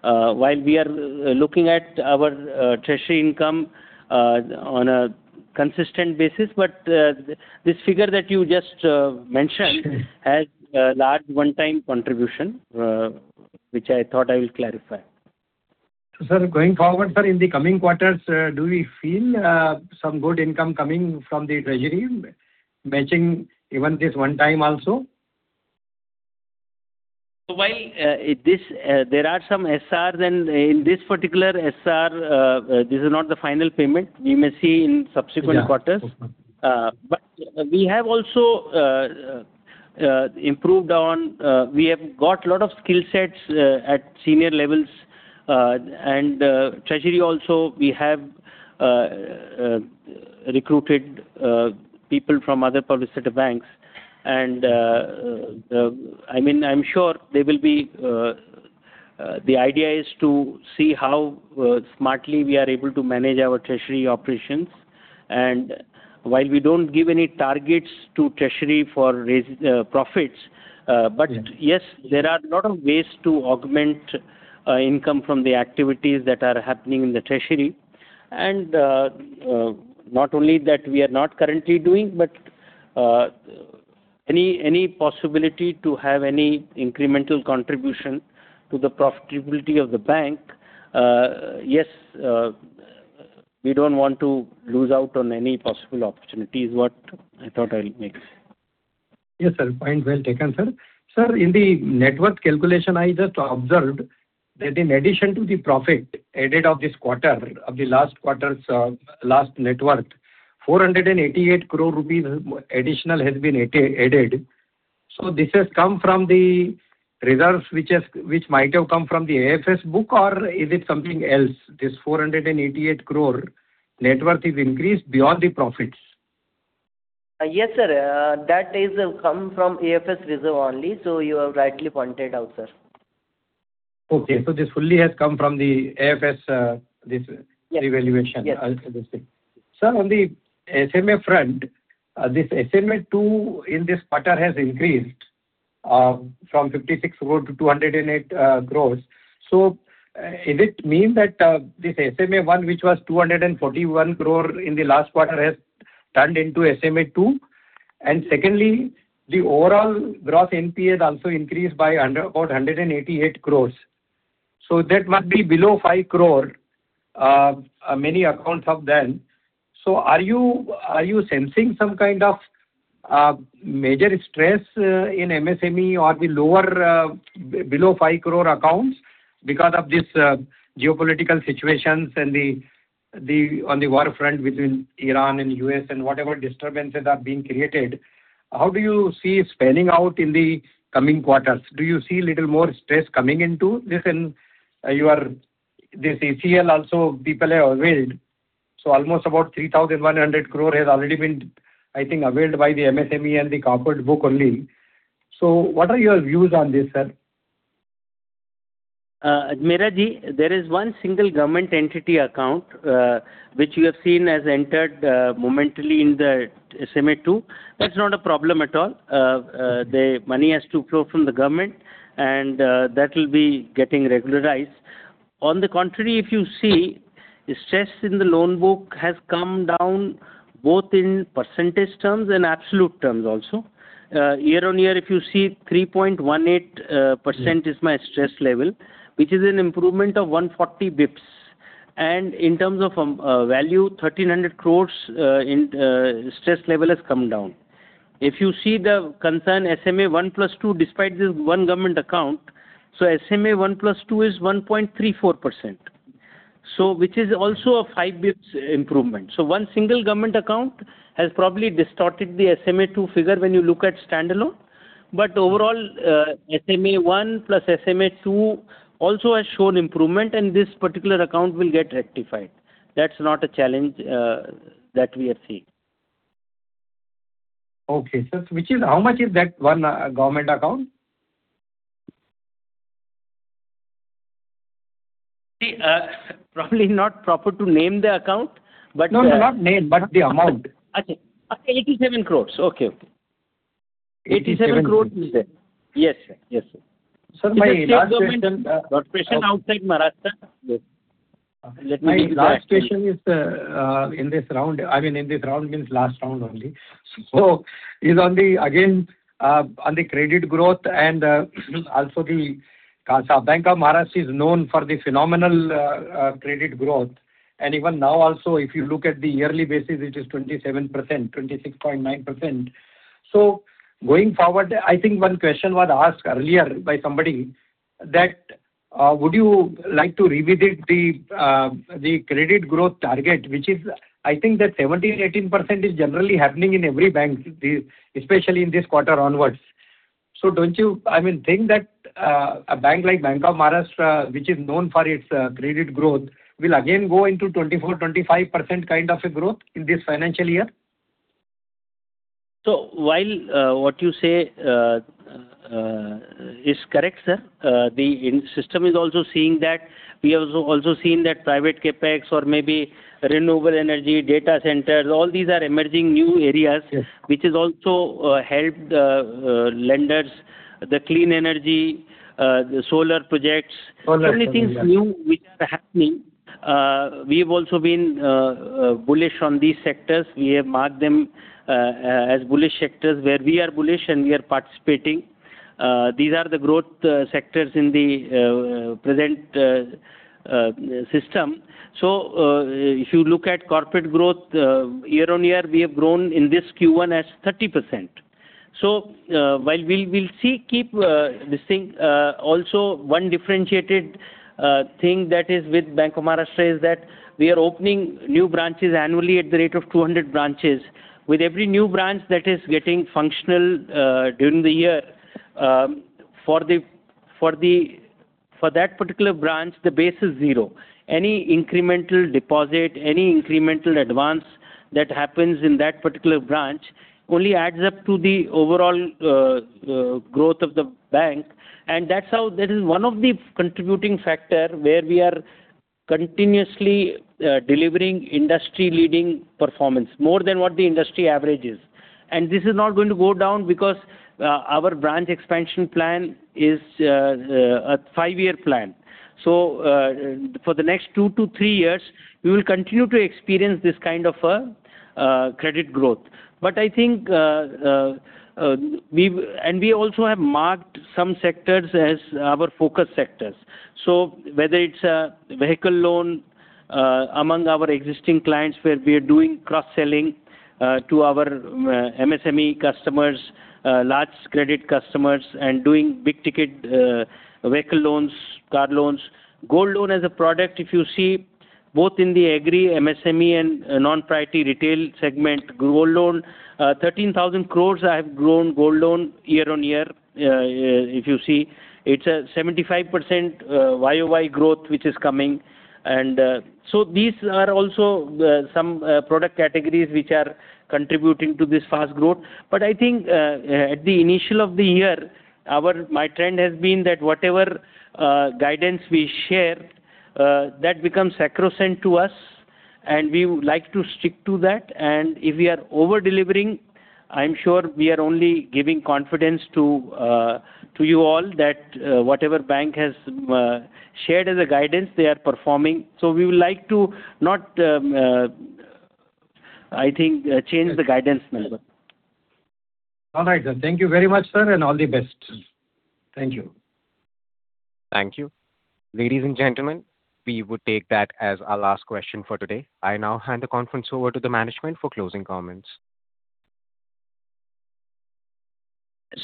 While we are looking at our treasury income on a consistent basis, but this figure that you just mentioned has a large one-time contribution, which I thought I will clarify. Sir, going forward, sir, in the coming quarters, do we feel some good income coming from the treasury matching even this one time also? While there are some SRs, and in this particular SR, this is not the final payment. We may see in subsequent quarters. Yeah. Okay. But we have also improved on, we have got lot of skill sets at senior levels. And treasury also, we have recruited people from other public sector banks. I mean, I'm sure, there will be, the idea is to see how smartly we are able to manage our treasury operations. And while we don't give any targets to treasury for profits, but yes, there are lot of ways to augment income from the activities that are happening in the treasury. Not only that we are not currently doing, but any possibility to have any incremental contribution to the profitability of the bank, yes, we don't want to lose out on any possible opportunities, what I thought I will make. Yes, sir. Point well taken, sir. Sir, in the net worth calculation, I just observed that in addition to the profit added of this quarter of the last quarter's last net worth, 488 crore rupees additional has been added. So, this has come from the reserves, which might have come from the AFS book, or is it something else? This 488 crore net worth is increased beyond the profits. Yes, sir. That has come from AFS reserve only, as you have rightly pointed out, sir. Okay. So, this fully has come from the AFS. Yes. This revaluation. Yes. Sir, on the SMA front, this SMA-2 in this quarter has increased from 56 crore to 208 crore. Does it mean that this SMA-1, which was 241 crore in the last quarter, has turned into SMA-2? Secondly, the overall gross NPL also increased by about 188 crore. That must be below 5 crore, many accounts of them. Are you sensing some kind of major stress in MSME or the below 5 crore accounts because of this geopolitical situations on the war front between Iran and U.S. and whatever disturbances are being created? How do you see spanning out in the coming quarters? Do you see a little more stress coming into this in your GECL also people have availed, so almost about 3,100 crore has already been, I think, availed by the MSME and the corporate book only. What are your views on this, sir? Ajmera ji, there is one single government entity account, which you have seen has entered momentarily in the SMA-2. That's not a problem at all. The money has to flow from the government, and that will be getting regularized. On the contrary, if you see, the stress in the loan book has come down both in percentage terms and absolute terms also. Year-on-year, if you see, 3.18% is my stress level, which is an improvement of 140 basis points. And in terms of value, 1,300 crore stress level has come down. If you see the concerned SMA-1 plus SMA-2, despite this one government account, so SMA-1 plus SMA-2 is 1.34%, which is also a 5-basis-point improvement. One single government account has probably distorted the SMA-2 figure when you look at standalone. But overall, SMA-1 plus SMA-2 also has shown improvement, and this particular account will get rectified. That's not a challenge that we are seeing. Okay, sir. How much is that one government account? See, probably not proper to name the account. No, not name, but the amount. Okay. 87 crore. Okay. 87 crore. INR 87 crore is there. Yes, sir. Sir, my last question. Government corporation outside Maharashtra. Yes. Let me be. My last question is, in this round, I mean, in this round means last round only, is on the, again, on the credit growth and also the Bank of Maharashtra is known for the phenomenal credit growth. Even now also, if you look at the yearly basis, it is 27%, 26.9%. Going forward, I think one question was asked earlier by somebody that, would you like to revisit the credit growth target, which is, I think that 17%-18% is generally happening in every bank, especially in this quarter onwards, so don't you think that a bank like Bank of Maharashtra, which is known for its credit growth, will again go into 24%, 25% kind of a growth in this financial year? While what you say is correct, sir, the system is also seeing that, we have also seen that private CapEx or maybe renewable energy, data centers, all these are emerging new areas. Yes. Which has also helped lenders, the clean energy, the solar projects. Solar projects, yeah. Many things new, which are happening. We've also been bullish on these sectors. We have marked them as bullish sectors where we are bullish and we are participating. These are the growth sectors in the present system. If you look at corporate growth, year-on-year, we have grown in this Q1 as 30%. Also, one differentiated thing that is with Bank of Maharashtra is that we are opening new branches annually at the rate of 200 branches. With every new branch that is getting functional during the year, for that particular branch, the base is zero. Any incremental deposit, any incremental advance that happens in that particular branch, only adds up to the overall growth of the bank. That is one of the contributing factors where we are continuously delivering industry-leading performance, more than what the industry average is. This is not going to go down because our branch expansion plan is a five-year plan. For the next two to three years, we will continue to experience this kind of a credit growth. We also have marked some sectors as our focus sectors, so whether it's a vehicle loan among our existing clients, where we are doing cross-selling to our MSME customers, large credit customers, and doing big-ticket vehicle loans, car loans. Gold loan as a product, if you see, both in the agri, MSME, and non-priority retail segment, gold loan, 13,000 crore I have grown gold loan year-on-year, if you see. It's a 75% YoY growth which is coming. These are also some product categories which are contributing to this fast growth. But I think at the initial of the year, my trend has been that whatever guidance we share, that becomes sacrosanct to us, and we would like to stick to that. If we are over-delivering, I'm sure we are only giving confidence to you all that whatever bank has shared as a guidance, they are performing. We would like to not, I think, change the guidance. All right, sir. Thank you very much, sir, and all the best. Thank you. Thank you. Ladies and gentlemen, we would take that as our last question for today. I now hand the conference over to the management for closing comments.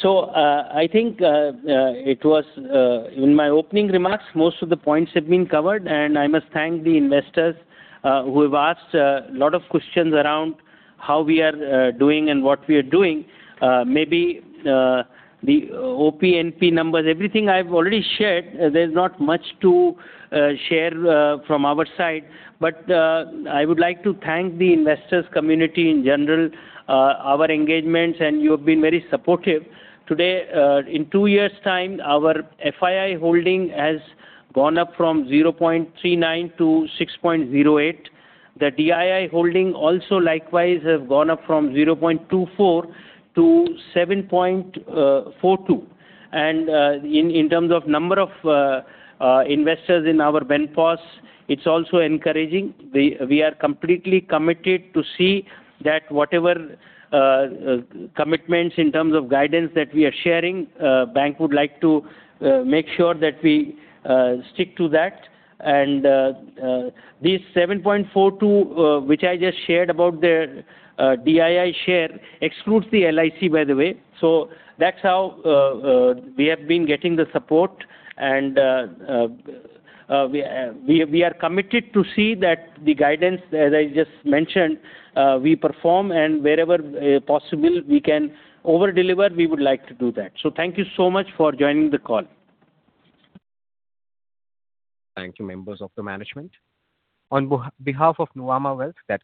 I think in my opening remarks, most of the points have been covered, and I must thank the investors who have asked a lot of questions around how we are doing and what we are doing. Maybe, the OP, NP numbers, everything I've already shared. There's not much to share from our side. I would like to thank the investors community in general, our engagements, and you have been very supportive. Today, in two years' time, our FII holding has gone up from 0.39% to 6.08%. The DII holding also likewise has gone up from 0.24% to 7.42%. In terms of number of investors in our BENPOS, it's also encouraging. We are completely committed to see that whatever commitments in terms of guidance that we are sharing, bank would like to make sure that we stick to that. This 7.42%, which I just shared about the DII share, excludes the LIC, by the way. That's how we have been getting the support, and we are committed to see that the guidance, as I just mentioned, we perform, and wherever possible we can over-deliver, we would like to do that. Thank you so much for joining the call. Thank you, members of the management. On behalf of Nuvama Wealth, that's all.